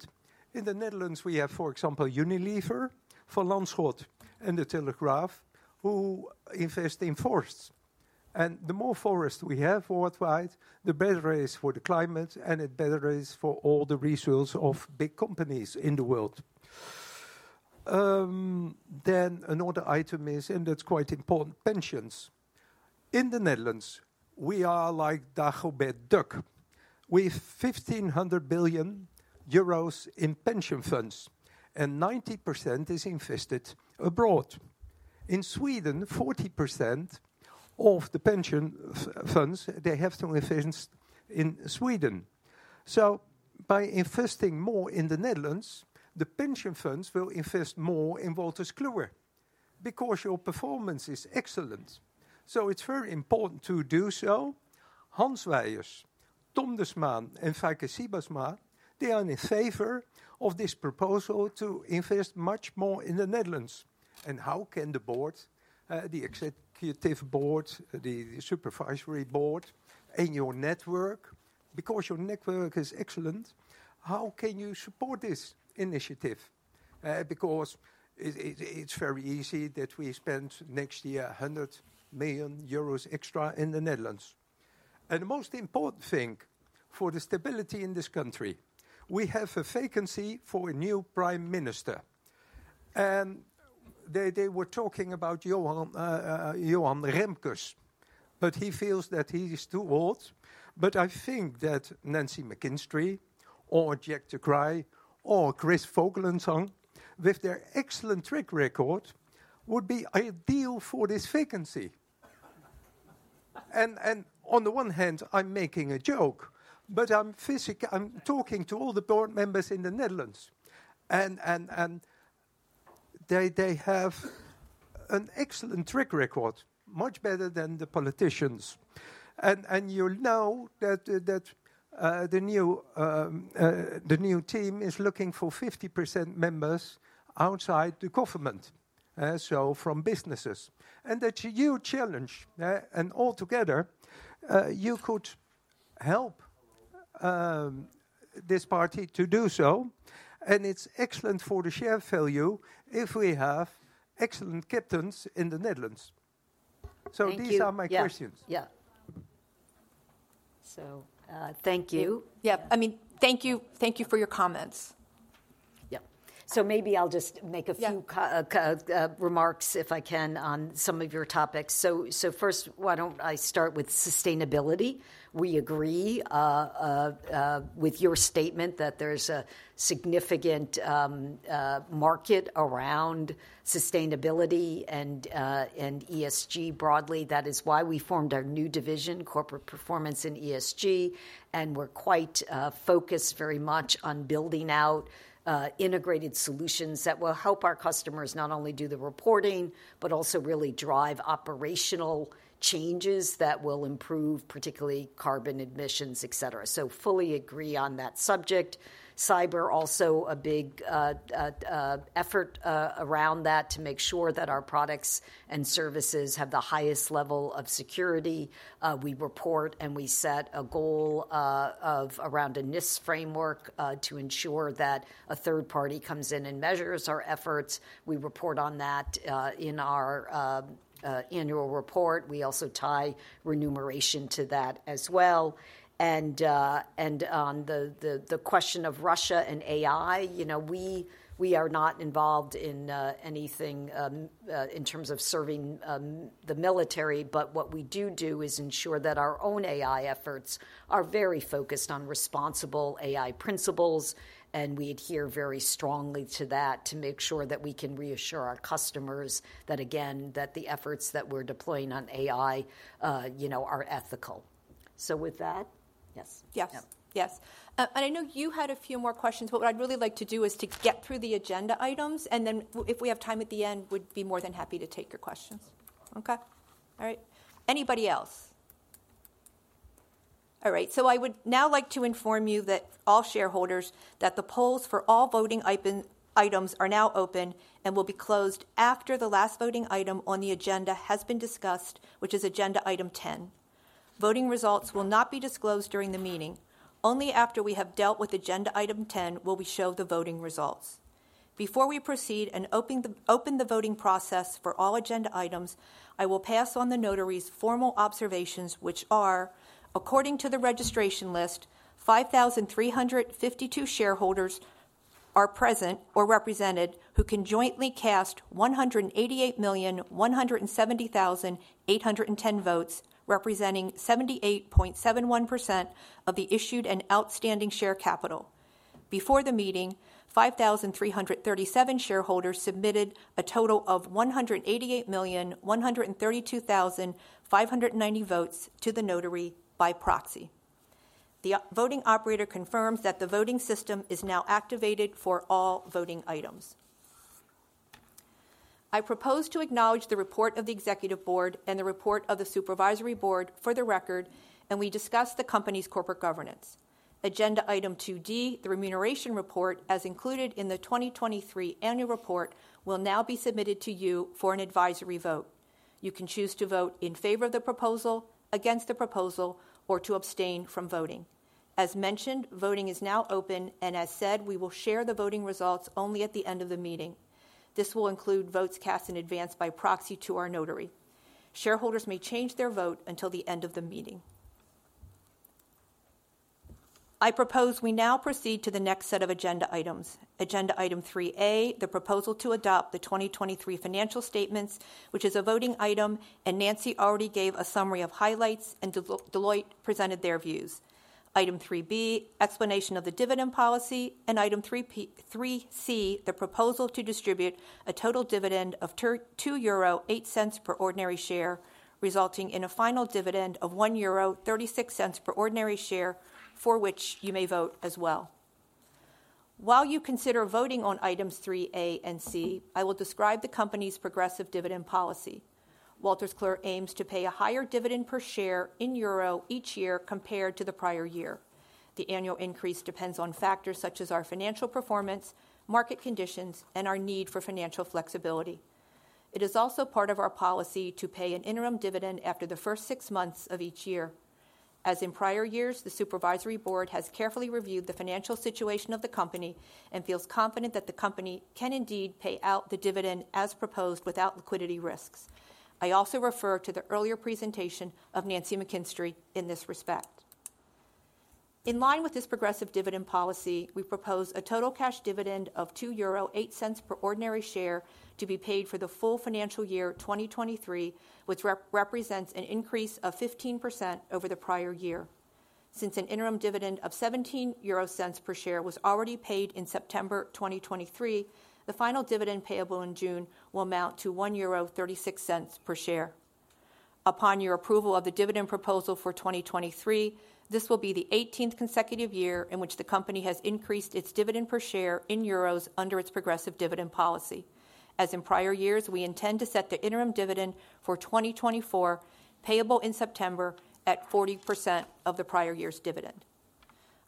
In the Netherlands, we have, for example, Unilever, Van Lanschot, and De Telegraaf, who invest in forests. And the more forests we have worldwide, the better it is for the climate, and the better it is for all the resource of big companies in the world. Then another item is, and that's quite important, pensions. In the Netherlands, we are like Dagobert Duck, with 1,500 billion euros in pension funds, and 90% is invested abroad. In Sweden, 40% of the pension funds, they have some investments in Sweden. So by investing more in the Netherlands, the pension funds will invest more in Wolters Kluwer because your performance is excellent, so it's very important to do so. Hans Wijers, Ton Diesman and Feike Sijbesma, they are in favor of this proposal to invest much more in the Netherlands. How can the board, the executive board, the supervisory board, and your network, because your network is excellent, how can you support this initiative? Because it, it's very easy that we spend next year 100 million euros extra in the Netherlands. And the most important thing for the stability in this country, we have a vacancy for a new prime minister, and they were talking about Johan, Johan Remkes, but he feels that he is too old. But I think that Nancy McKinstry or Jack de Kreij or Chris F. H. Vogelzang, with their excellent track record, would be ideal for this vacancy. And, on the one hand, I'm making a joke, but I'm talking to all the board members in the Netherlands, and they have an excellent track record, much better than the politicians. You'll know that the new team is looking for 50% members outside the government, so from businesses. That's a huge challenge, and altogether, you could help this party to do so. It's excellent for the share value if we have excellent captains in the Netherlands. Thank you. These are my questions. Yeah. Yeah.... So, thank you. Yeah, I mean, thank you, thank you for your comments. Yeah. So maybe I'll just make a few- Yeah... remarks, if I can, on some of your topics. So first, why don't I start with sustainability? We agree with your statement that there's a significant market around sustainability and ESG broadly. That is why we formed our new division, Corporate Performance and ESG, and we're quite focused very much on building out integrated solutions that will help our customers not only do the reporting, but also really drive operational changes that will improve, particularly carbon emissions, et cetera. So fully agree on that subject. Cyber, also a big effort around that to make sure that our products and services have the highest level of security. We report and we set a goal of around a NIST Framework to ensure that a third party comes in and measures our efforts. We report on that in our annual report. We also tie remuneration to that as well. And on the question of Russia and AI, you know, we are not involved in anything in terms of serving the military, but what we do do is ensure that our own AI efforts are very focused on responsible AI principles, and we adhere very strongly to that to make sure that we can reassure our customers that, again, that the efforts that we're deploying on AI, you know, are ethical. So with that, yes. Yes. Yeah. Yes. And I know you had a few more questions, but what I'd really like to do is to get through the agenda items, and then if we have time at the end, we'd be more than happy to take your questions. Okay? All right. Anybody else? All right, so I would now like to inform you that all shareholders, that the polls for all voting items are now open and will be closed after the last voting item on the agenda has been discussed, which is agenda item 10. Voting results will not be disclosed during the meeting. Only after we have dealt with agenda item 10 will we show the voting results. Before we proceed and open the voting process for all agenda items, I will pass on the notary's formal observations, which are: according to the registration list, 5,352 shareholders are present or represented, who can jointly cast 188,170,810 votes, representing 78.71% of the issued and outstanding share capital. Before the meeting, 5,337 shareholders submitted a total of 188,132,590 votes to the notary by proxy. The voting operator confirms that the voting system is now activated for all voting items. I propose to acknowledge the report of the executive board and the report of the supervisory board for the record, and we discuss the company's corporate governance. Agenda item 2D, the remuneration report, as included in the 2023 annual report, will now be submitted to you for an advisory vote. You can choose to vote in favor of the proposal, against the proposal, or to abstain from voting. As mentioned, voting is now open, and as said, we will share the voting results only at the end of the meeting. This will include votes cast in advance by proxy to our notary. Shareholders may change their vote until the end of the meeting. I propose we now proceed to the next set of agenda items. Agenda item 3A, the proposal to adopt the 2023 financial statements, which is a voting item, and Nancy already gave a summary of highlights, and Deloitte presented their views. Item 3B, explanation of the dividend policy, and item 3C, the proposal to distribute a total dividend of 2.08 euro per ordinary share, resulting in a final dividend of 1.36 euro per ordinary share, for which you may vote as well. While you consider voting on items 3A and 3C, I will describe the company's progressive dividend policy. Wolters Kluwer aims to pay a higher dividend per share in euro each year compared to the prior year. The annual increase depends on factors such as our financial performance, market conditions, and our need for financial flexibility. It is also part of our policy to pay an interim dividend after the first six months of each year. As in prior years, the supervisory board has carefully reviewed the financial situation of the company and feels confident that the company can indeed pay out the dividend as proposed without liquidity risks. I also refer to the earlier presentation of Nancy McKinstry in this respect. In line with this progressive dividend policy, we propose a total cash dividend of 2.08 euro per ordinary share to be paid for the full financial year 2023, which represents an increase of 15% over the prior year. Since an interim dividend of 0.17 per share was already paid in September 2023, the final dividend payable in June will amount to 1.36 euro per share. Upon your approval of the dividend proposal for 2023, this will be the 18th consecutive year in which the company has increased its dividend per share in euros under its progressive dividend policy. As in prior years, we intend to set the interim dividend for 2024, payable in September, at 40% of the prior year's dividend.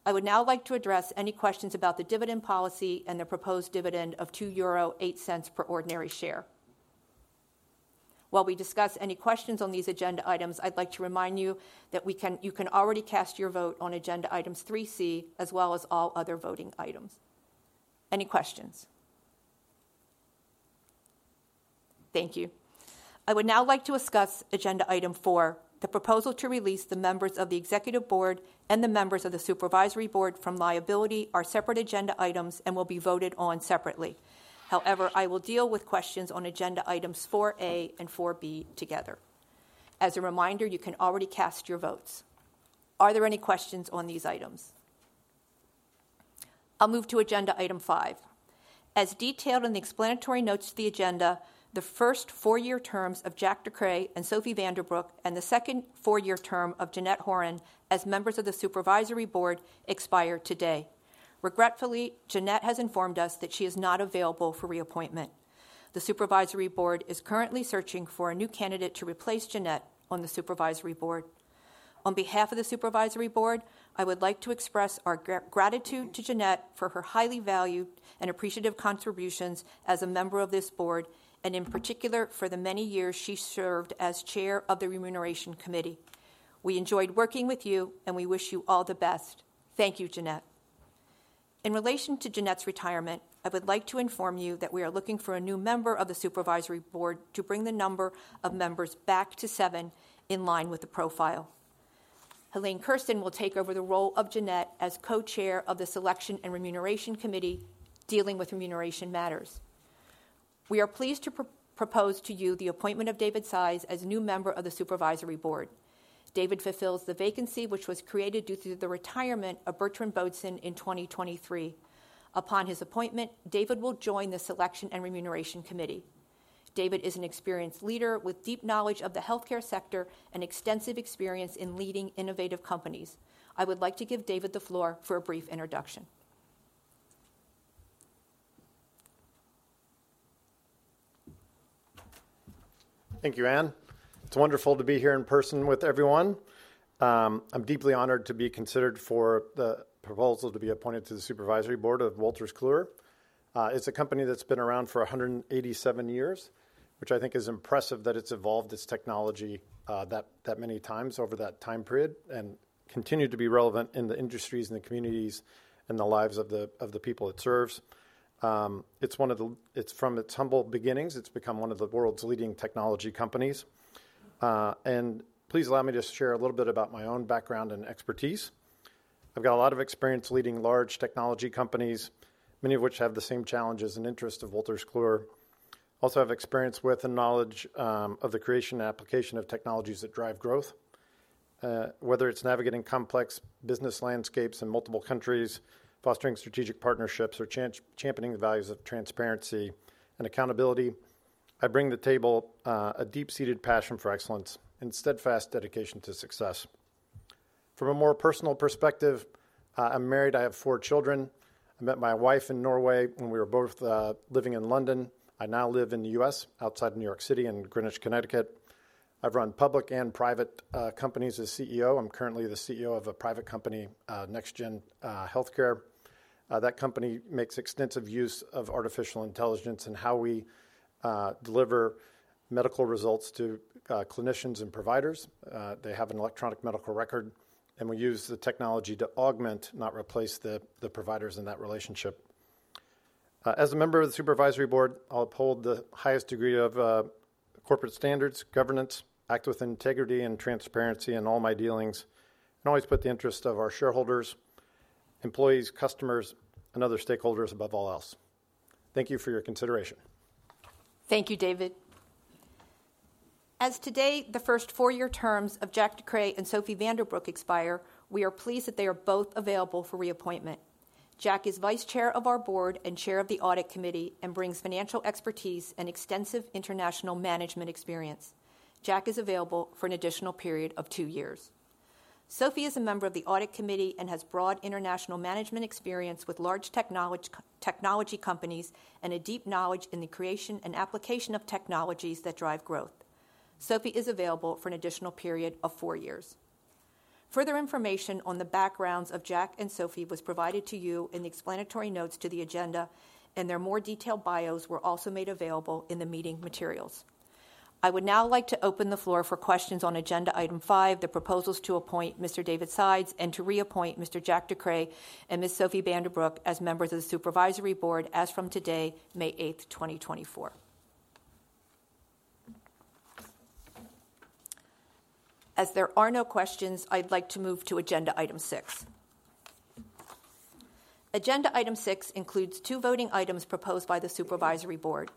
I would now like to address any questions about the dividend policy and the proposed dividend of 2.08 euro per ordinary share. While we discuss any questions on these agenda items, I'd like to remind you that you can already cast your vote on agenda items 3C, as well as all other voting items. Any questions?... Thank you. I would now like to discuss agenda item 4, the proposal to release the members of the executive board and the members of the supervisory board from liability. These are separate agenda items and will be voted on separately. However, I will deal with questions on agenda items 4A and 4B together. As a reminder, you can already cast your votes. Are there any questions on these items? I'll move to agenda item 5. As detailed in the explanatory notes to the agenda, the first four-year terms of Jack de Kreij and Sophie Vandebroek, and the second four-year term of Jeanette Horan as members of the supervisory board expire today. Regretfully, Jeanette has informed us that she is not available for reappointment. The supervisory board is currently searching for a new candidate to replace Jeanette on the supervisory board. On behalf of the Supervisory Board, I would like to express our gratitude to Jeanette for her highly valued and appreciative contributions as a member of this board, and in particular, for the many years she served as Chair of the Remuneration Committee. We enjoyed working with you, and we wish you all the best. Thank you, Jeanette. In relation to Jeanette's retirement, I would like to inform you that we are looking for a new member of the Supervisory Board to bring the number of members back to seven, in line with the profile. Heleen Kersten will take over the role of Jeanette as co-Chair of the Selection and Remuneration Committee, dealing with remuneration matters. We are pleased to propose to you the appointment of David Sides as new member of the Supervisory Board. David fulfills the vacancy, which was created due to the retirement of Bertrand Bodson in 2023. Upon his appointment, David will join the Selection and Remuneration Committee. David is an experienced leader with deep knowledge of the healthcare sector and extensive experience in leading innovative companies. I would like to give David the floor for a brief introduction. Thank you, Ann. It's wonderful to be here in person with everyone. I'm deeply honored to be considered for the proposal to be appointed to the supervisory board of Wolters Kluwer. It's a company that's been around for 187 years, which I think is impressive, that it's evolved its technology, that many times over that time period and continued to be relevant in the industries and the communities and the lives of the people it serves. It's one of the. It's from its humble beginnings, it's become one of the world's leading technology companies. And please allow me to share a little bit about my own background and expertise. I've got a lot of experience leading large technology companies, many of which have the same challenges and interests of Wolters Kluwer. Also, I have experience with and knowledge of the creation and application of technologies that drive growth. Whether it's navigating complex business landscapes in multiple countries, fostering strategic partnerships, or championing the values of transparency and accountability, I bring to the table a deep-seated passion for excellence and steadfast dedication to success. From a more personal perspective, I'm married. I have four children. I met my wife in Norway when we were both living in London. I now live in the U.S., outside New York City, in Greenwich, Connecticut. I've run public and private companies as CEO. I'm currently the CEO of a private company, NextGen Healthcare. That company makes extensive use of artificial intelligence in how we deliver medical results to clinicians and providers. They have an electronic medical record, and we use the technology to augment, not replace, the providers in that relationship. As a member of the supervisory board, I'll uphold the highest degree of corporate standards, governance, act with integrity and transparency in all my dealings, and always put the interest of our shareholders, employees, customers, and other stakeholders above all else. Thank you for your consideration. Thank you, David. As today, the first four-year terms of Jack de Kreij and Sophie Vandebroek expire, we are pleased that they are both available for reappointment. Jack is vice chair of our board and chair of the Audit Committee, and brings financial expertise and extensive international management experience. Jack is available for an additional period of two years. Sophie is a member of the Audit Committee and has broad international management experience with large technology companies, and a deep knowledge in the creation and application of technologies that drive growth. Sophie is available for an additional period of four years. Further information on the backgrounds of Jack and Sophie was provided to you in the explanatory notes to the agenda, and their more detailed bios were also made available in the meeting materials. I would now like to open the floor for questions on agenda item 5, the proposals to appoint Mr. David Sides and to reappoint Mr. Jack de Kreij and Ms. Sophie Vandebroek as members of the supervisory board as from today, May 8, 2024. As there are no questions, I'd like to move to agenda item 6. Agenda item 6 includes two voting items proposed by the supervisory board.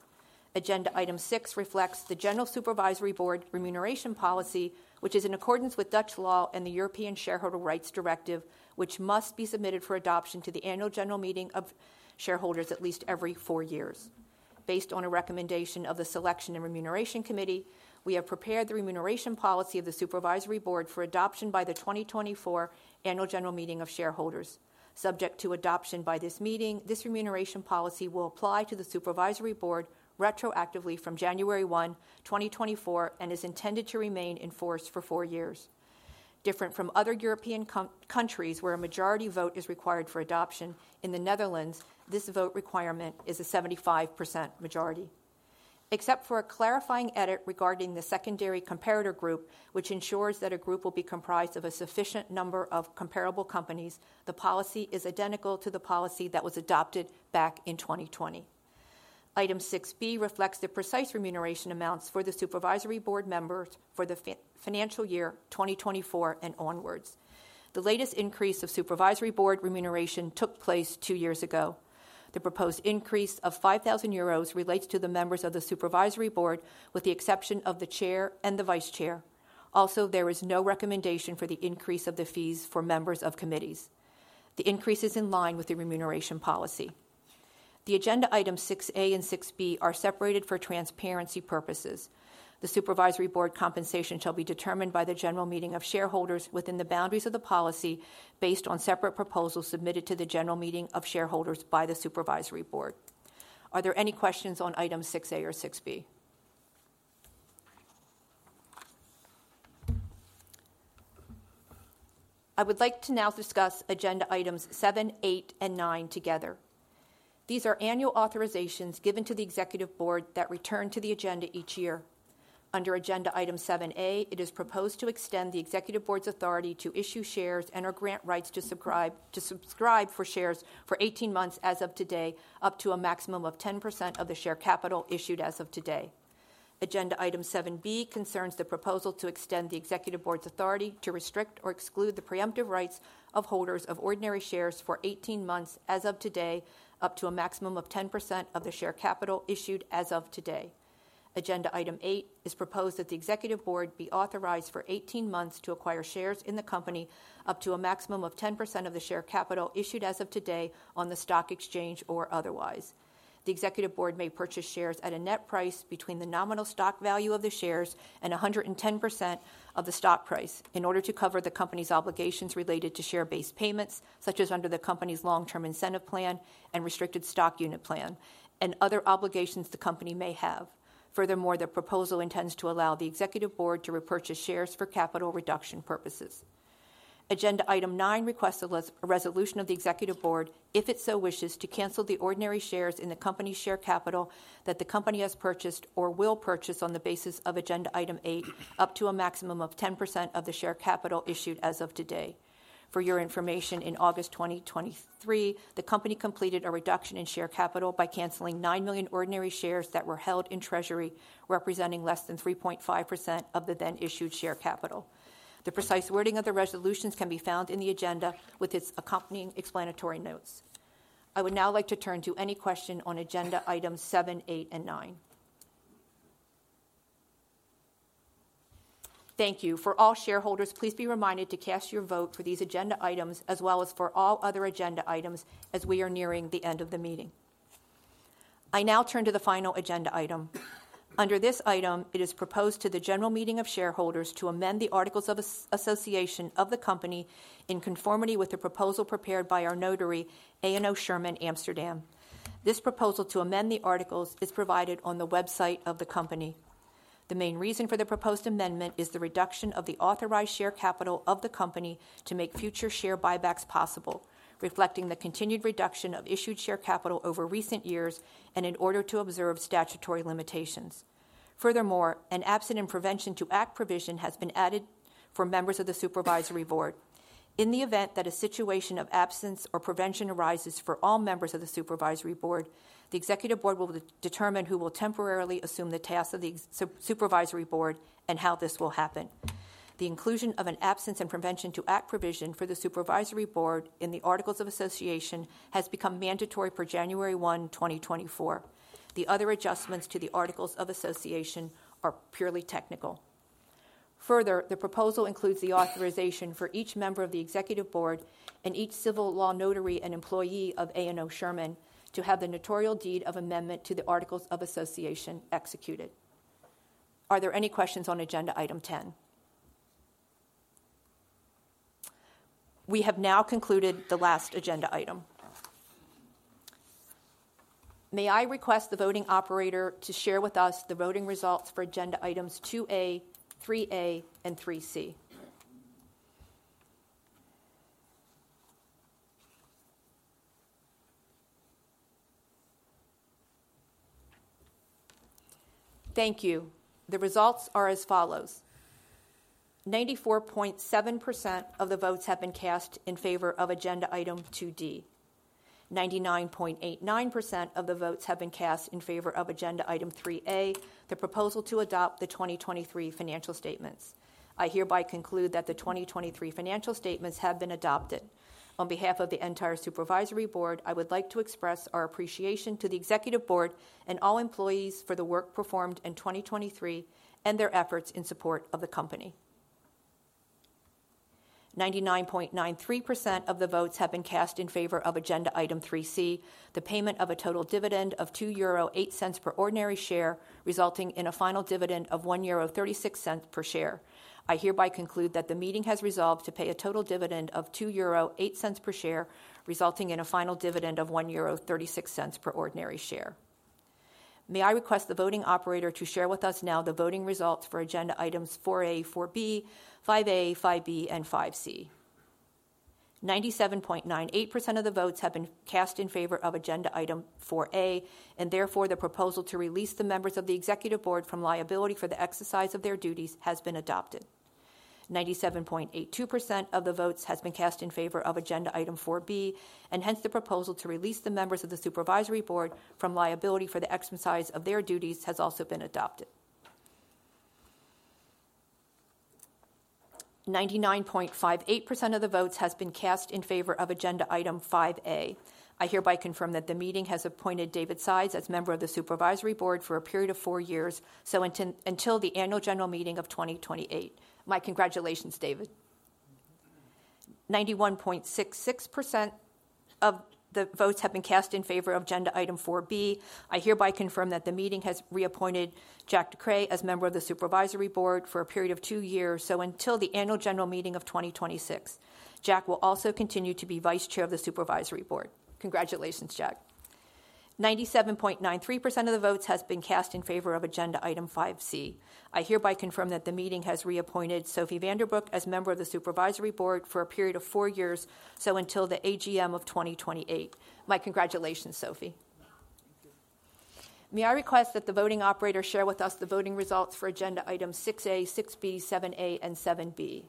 Agenda item 6 reflects the general supervisory board remuneration policy, which is in accordance with Dutch law and the European Shareholder Rights Directive, which must be submitted for adoption to the annual general meeting of shareholders at least every four years. Based on a recommendation of the Selection and Remuneration Committee, we have prepared the remuneration policy of the supervisory board for adoption by the 2024 annual general meeting of shareholders. Subject to adoption by this meeting, this remuneration policy will apply to the Supervisory Board retroactively from January 1, 2024, and is intended to remain in force for four years. Different from other European countries where a majority vote is required for adoption, in the Netherlands, this vote requirement is a 75% majority. Except for a clarifying edit regarding the secondary comparator group, which ensures that a group will be comprised of a sufficient number of comparable companies, the policy is identical to the policy that was adopted back in 2020. Item 6B reflects the precise remuneration amounts for the Supervisory Board members for the financial year 2024 and onwards. The latest increase of Supervisory Board remuneration took place two years ago. The proposed increase of 5,000 euros relates to the members of the Supervisory Board, with the exception of the chair and the vice chair. Also, there is no recommendation for the increase of the fees for members of committees. The increase is in line with the remuneration policy. The agenda item 6A and 6B are separated for transparency purposes. The Supervisory Board compensation shall be determined by the General Meeting of Shareholders within the boundaries of the policy, based on separate proposals submitted to the General Meeting of Shareholders by the Supervisory Board. Are there any questions on item 6A or 6B? I would like to now discuss agenda items 7, 8, and 9 together. These are annual authorizations given to the Executive Board that return to the agenda each year. Under agenda item 7A, it is proposed to extend the Executive Board's authority to issue shares and/or grant rights to subscribe, to subscribe for shares for 18 months as of today, up to a maximum of 10% of the share capital issued as of today. Agenda item 7B concerns the proposal to extend the Executive Board's authority to restrict or exclude the preemptive rights of holders of ordinary shares for 18 months as of today, up to a maximum of 10% of the share capital issued as of today. Agenda item 8 is proposed that the Executive Board be authorized for 18 months to acquire shares in the company, up to a maximum of 10% of the share capital issued as of today on the stock exchange or otherwise. The Executive Board may purchase shares at a net price between the nominal stock value of the shares and 110% of the stock price in order to cover the company's obligations related to share-based payments, such as under the company's long-term incentive plan and restricted stock unit plan, and other obligations the company may have. Furthermore, the proposal intends to allow the Executive Board to repurchase shares for capital reduction purposes. Agenda item nine requests a resolution of the Executive Board, if it so wishes, to cancel the ordinary shares in the company's share capital that the company has purchased or will purchase on the basis of agenda item eight, up to a maximum of 10% of the share capital issued as of today. For your information, in August 2023, the company completed a reduction in share capital by canceling 9 million ordinary shares that were held in treasury, representing less than 3.5% of the then issued share capital. The precise wording of the resolutions can be found in the agenda with its accompanying explanatory notes. I would now like to turn to any question on agenda items 7, 8, and 9. Thank you. For all shareholders, please be reminded to cast your vote for these agenda items as well as for all other agenda items as we are nearing the end of the meeting. I now turn to the final agenda item. Under this item, it is proposed to the General Meeting of Shareholders to amend the articles of association of the company in conformity with the proposal prepared by our notary, A&O Shearman, Amsterdam. This proposal to amend the articles is provided on the website of the company. The main reason for the proposed amendment is the reduction of the authorized share capital of the company to make future share buybacks possible, reflecting the continued reduction of issued share capital over recent years and in order to observe statutory limitations. Furthermore, an absence and prevention to act provision has been added for members of the Supervisory Board. In the event that a situation of absence or prevention arises for all members of the Supervisory Board, the Executive Board will determine who will temporarily assume the tasks of the Supervisory Board and how this will happen. The inclusion of an absence and prevention to act provision for the Supervisory Board in the articles of association has become mandatory for January 1, 2024. The other adjustments to the articles of association are purely technical. Further, the proposal includes the authorization for each member of the Executive Board and each civil law notary and employee of A&O Shearman to have the notarial deed of amendment to the articles of association executed. Are there any questions on agenda item ten? We have now concluded the last agenda item. May I request the voting operator to share with us the voting results for agenda items 2A, 3A, and 3C? Thank you. The results are as follows: 94.7% of the votes have been cast in favor of agenda item 2D. 99.89% of the votes have been cast in favor of agenda item 3A, the proposal to adopt the 2023 financial statements. I hereby conclude that the 2023 financial statements have been adopted. On behalf of the entire Supervisory Board, I would like to express our appreciation to the Executive Board and all employees for the work performed in 2023 and their efforts in support of the company. 99.93% of the votes have been cast in favor of agenda item 3C, the payment of a total dividend of 2.08 euro per ordinary share, resulting in a final dividend of 1.36 euro per share. I hereby conclude that the meeting has resolved to pay a total dividend of 2.08 euro per share, resulting in a final dividend of 1.36 euro per ordinary share. May I request the voting operator to share with us now the voting results for agenda items 4A, 4B, 5A, 5B, and 5C? 97.98% of the votes have been cast in favor of agenda item 4A, and therefore, the proposal to release the members of the Executive Board from liability for the exercise of their duties has been adopted.... 97.82% of the votes has been cast in favor of agenda item 4B, and hence the proposal to release the members of the Supervisory Board from liability for the exercise of their duties has also been adopted. 99.58% of the votes has been cast in favor of agenda item 5A. I hereby confirm that the meeting has appointed David Sides as member of the Supervisory Board for a period of four years, so until, until the annual general meeting of 2028. My congratulations, David. 91.66% of the votes have been cast in favor of agenda item 4B. I hereby confirm that the meeting has reappointed Jack de Kreij as member of the Supervisory Board for a period of two years, so until the annual general meeting of 2026. Jack will also continue to be Vice-Chair of the Supervisory Board. Congratulations, Jack. 97.93% of the votes has been cast in favor of agenda item 5C. I hereby confirm that the meeting has reappointed Sophie Vandebroek as member of the Supervisory Board for a period of four years, so until the AGM of 2028. My congratulations, Sophie. Thank you. May I request that the voting operator share with us the voting results for agenda item 6A, 6B, 7A, and 7B?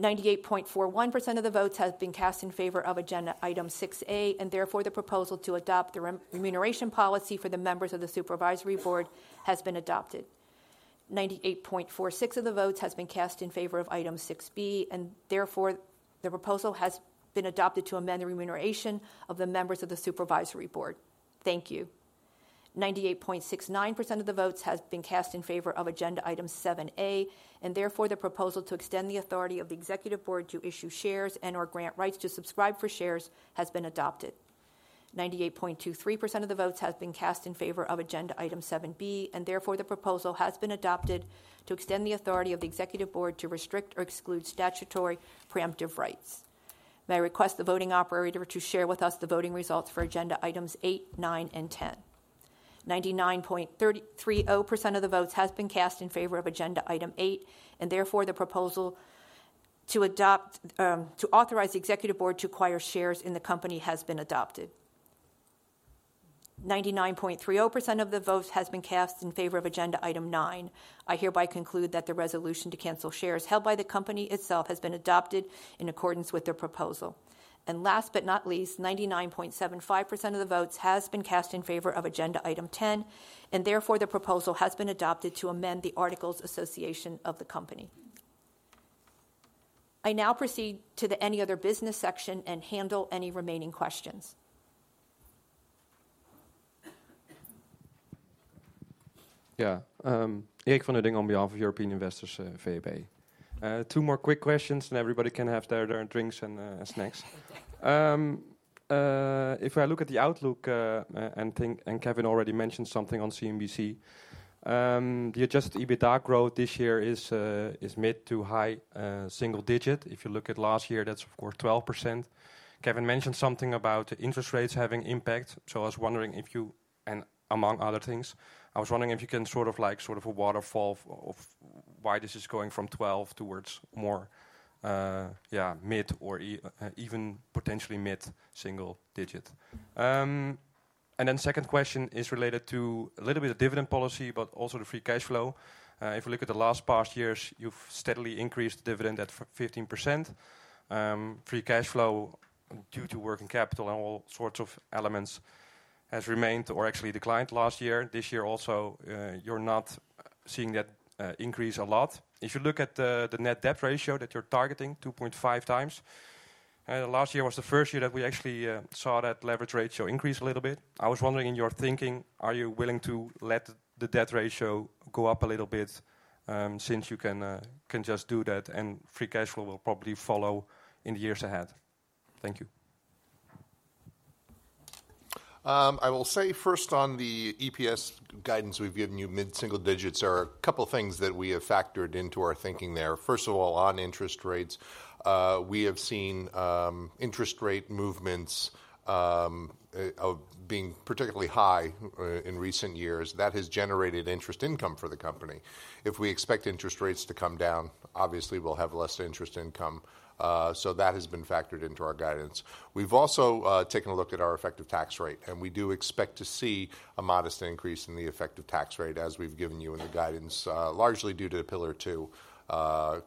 98.41% of the votes have been cast in favor of agenda item 6A, and therefore, the proposal to adopt the remuneration policy for the members of the Supervisory Board has been adopted. 98.46% of the votes has been cast in favor of item 6B, and therefore, the proposal has been adopted to amend the remuneration of the members of the Supervisory Board. Thank you. 98.69% of the votes has been cast in favor of agenda item 7A, and therefore, the proposal to extend the authority of the Executive Board to issue shares and/or grant rights to subscribe for shares has been adopted. 98.23% of the votes has been cast in favor of agenda item seven B, and therefore, the proposal has been adopted to extend the authority of the Executive Board to restrict or exclude statutory preemptive rights. May I request the voting operator to share with us the voting results for agenda items eight, nine, and ten? 99.330% of the votes has been cast in favor of agenda item eight, and therefore, the proposal to adopt, to authorize the Executive Board to acquire shares in the company has been adopted. 99.30% of the votes has been cast in favor of agenda item nine. I hereby conclude that the resolution to cancel shares held by the company itself has been adopted in accordance with the proposal. And last but not least, 99.75% of the votes has been cast in favor of agenda item 10, and therefore, the proposal has been adopted to amend the articles of association of the company. I now proceed to the any other business section and handle any remaining questions. Yeah, Erik van Huijstee on behalf of European Investors VEB. Two more quick questions, and everybody can have their drinks and snacks. If I look at the outlook and think, and Kevin already mentioned something on CNBC, the adjusted EBITDA growth this year is mid- to high-single-digit. If you look at last year, that's of course 12%. Kevin mentioned something about interest rates having impact, so I was wondering if you... And among other things, I was wondering if you can sort of like sort of a waterfall of why this is going from 12 towards more, yeah, mid- or even potentially mid-single-digit. And then second question is related to a little bit of dividend policy, but also the free cash flow. If you look at the last past years, you've steadily increased the dividend at 15%. Free cash flow due to working capital and all sorts of elements has remained or actually declined last year. This year also, you're not seeing that increase a lot. If you look at the net debt ratio that you're targeting, 2.5x, last year was the first year that we actually saw that leverage ratio increase a little bit. I was wondering in your thinking, are you willing to let the debt ratio go up a little bit, since you can just do that, and free cash flow will probably follow in the years ahead? Thank you. I will say first on the EPS guidance we've given you, mid-single digits, are a couple of things that we have factored into our thinking there. First of all, on interest rates, we have seen interest rate movements being particularly high in recent years. That has generated interest income for the company. If we expect interest rates to come down, obviously, we'll have less interest income, so that has been factored into our guidance. We've also taken a look at our effective tax rate, and we do expect to see a modest increase in the effective tax rate as we've given you in the guidance, largely due to Pillar Two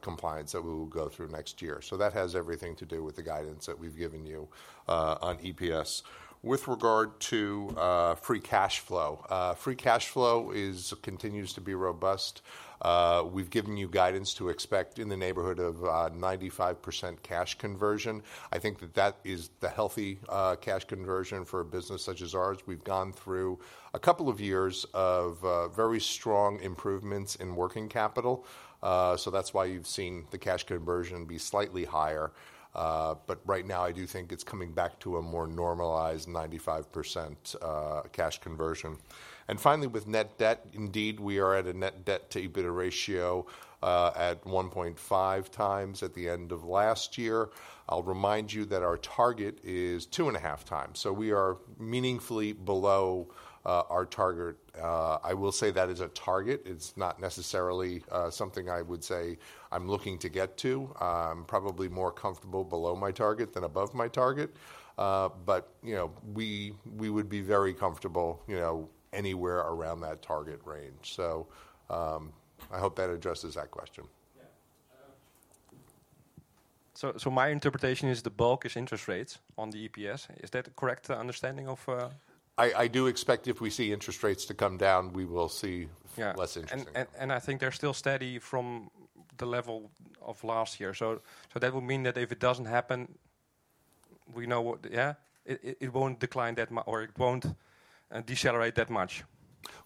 compliance that we will go through next year. So that has everything to do with the guidance that we've given you on EPS. With regard to free cash flow, free cash flow continues to be robust. We've given you guidance to expect in the neighborhood of 95% cash conversion. I think that that is the healthy cash conversion for a business such as ours. We've gone through a couple of years of very strong improvements in working capital, so that's why you've seen the cash conversion be slightly higher. But right now, I do think it's coming back to a more normalized 95% cash conversion. And finally, with net debt, indeed, we are at a net debt-to-EBITDA ratio at 1.5x at the end of last year. I'll remind you that our target is 2.5x, so we are meaningfully below our target. I will say that is a target. It's not necessarily something I would say I'm looking to get to. I'm probably more comfortable below my target than above my target. But, you know, we would be very comfortable, you know, anywhere around that target range. So, I hope that addresses that question.... So, so my interpretation is the bulk is interest rates on the EPS. Is that a correct understanding of? I do expect if we see interest rates to come down, we will see- Yeah... less interest. And I think they're still steady from the level of last year. So that would mean that if it doesn't happen, we know what... Yeah? It won't decline that much or it won't decelerate that much.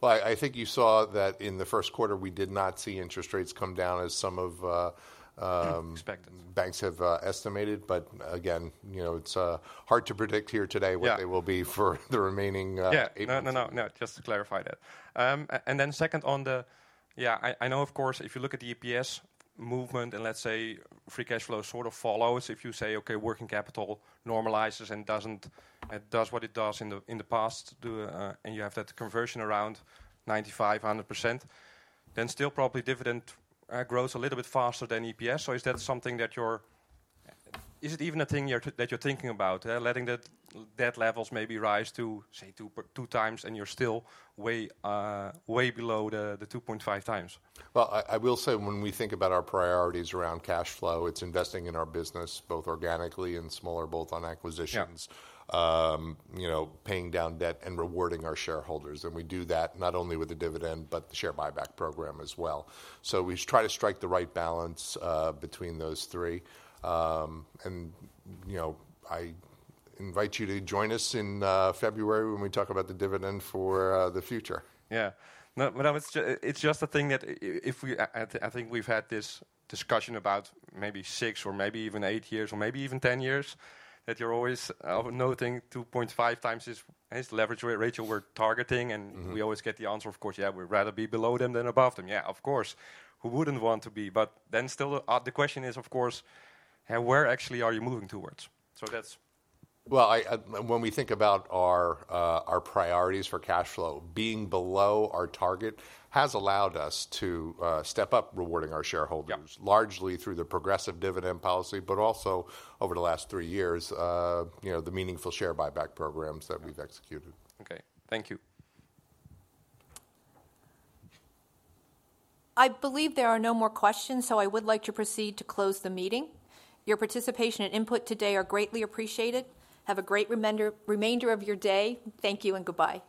Well, I think you saw that in the first quarter, we did not see interest rates come down as some of, Expected... banks have estimated. But again, you know, it's hard to predict here today- Yeah... what they will be for the remaining, eight months. Yeah. No, no, no, no, just to clarify that. And then second, on the... Yeah, I, I know, of course, if you look at the EPS movement and, let's say, free cash flow sort of follows, if you say, "Okay, working capital normalizes and doesn't... It does what it does in the past," and you have that conversion around 95-100%, then still probably dividend grows a little bit faster than EPS. So is that something that you're... Is it even a thing that you're thinking about, letting the debt levels maybe rise to, say, 2x, and you're still way, way below the 2.5x? Well, I will say when we think about our priorities around cash flow, it's investing in our business, both organically and smaller, both on acquisitions- Yeah... you know, paying down debt and rewarding our shareholders. We do that not only with the dividend, but the share buyback program as well. We try to strike the right balance between those three. You know, I invite you to join us in February when we talk about the dividend for the future. Yeah. No, but I was—it's just a thing that if we... I think we've had this discussion about maybe six or maybe even eight years, or maybe even ten years, that you're always noting 2.5 times is the leverage ratio we're targeting. Mm-hmm. We always get the answer, of course, "Yeah, we'd rather be below them than above them." Yeah, of course. Who wouldn't want to be? But then still, the question is, of course, and where actually are you moving towards? So that's- Well, when we think about our priorities for cash flow, being below our target has allowed us to step up rewarding our shareholders- Yeah... largely through the progressive dividend policy, but also, over the last three years, you know, the meaningful share buyback programs that we've executed. Okay. Thank you. I believe there are no more questions, so I would like to proceed to close the meeting. Your participation and input today are greatly appreciated. Have a great remainder of your day. Thank you and goodbye.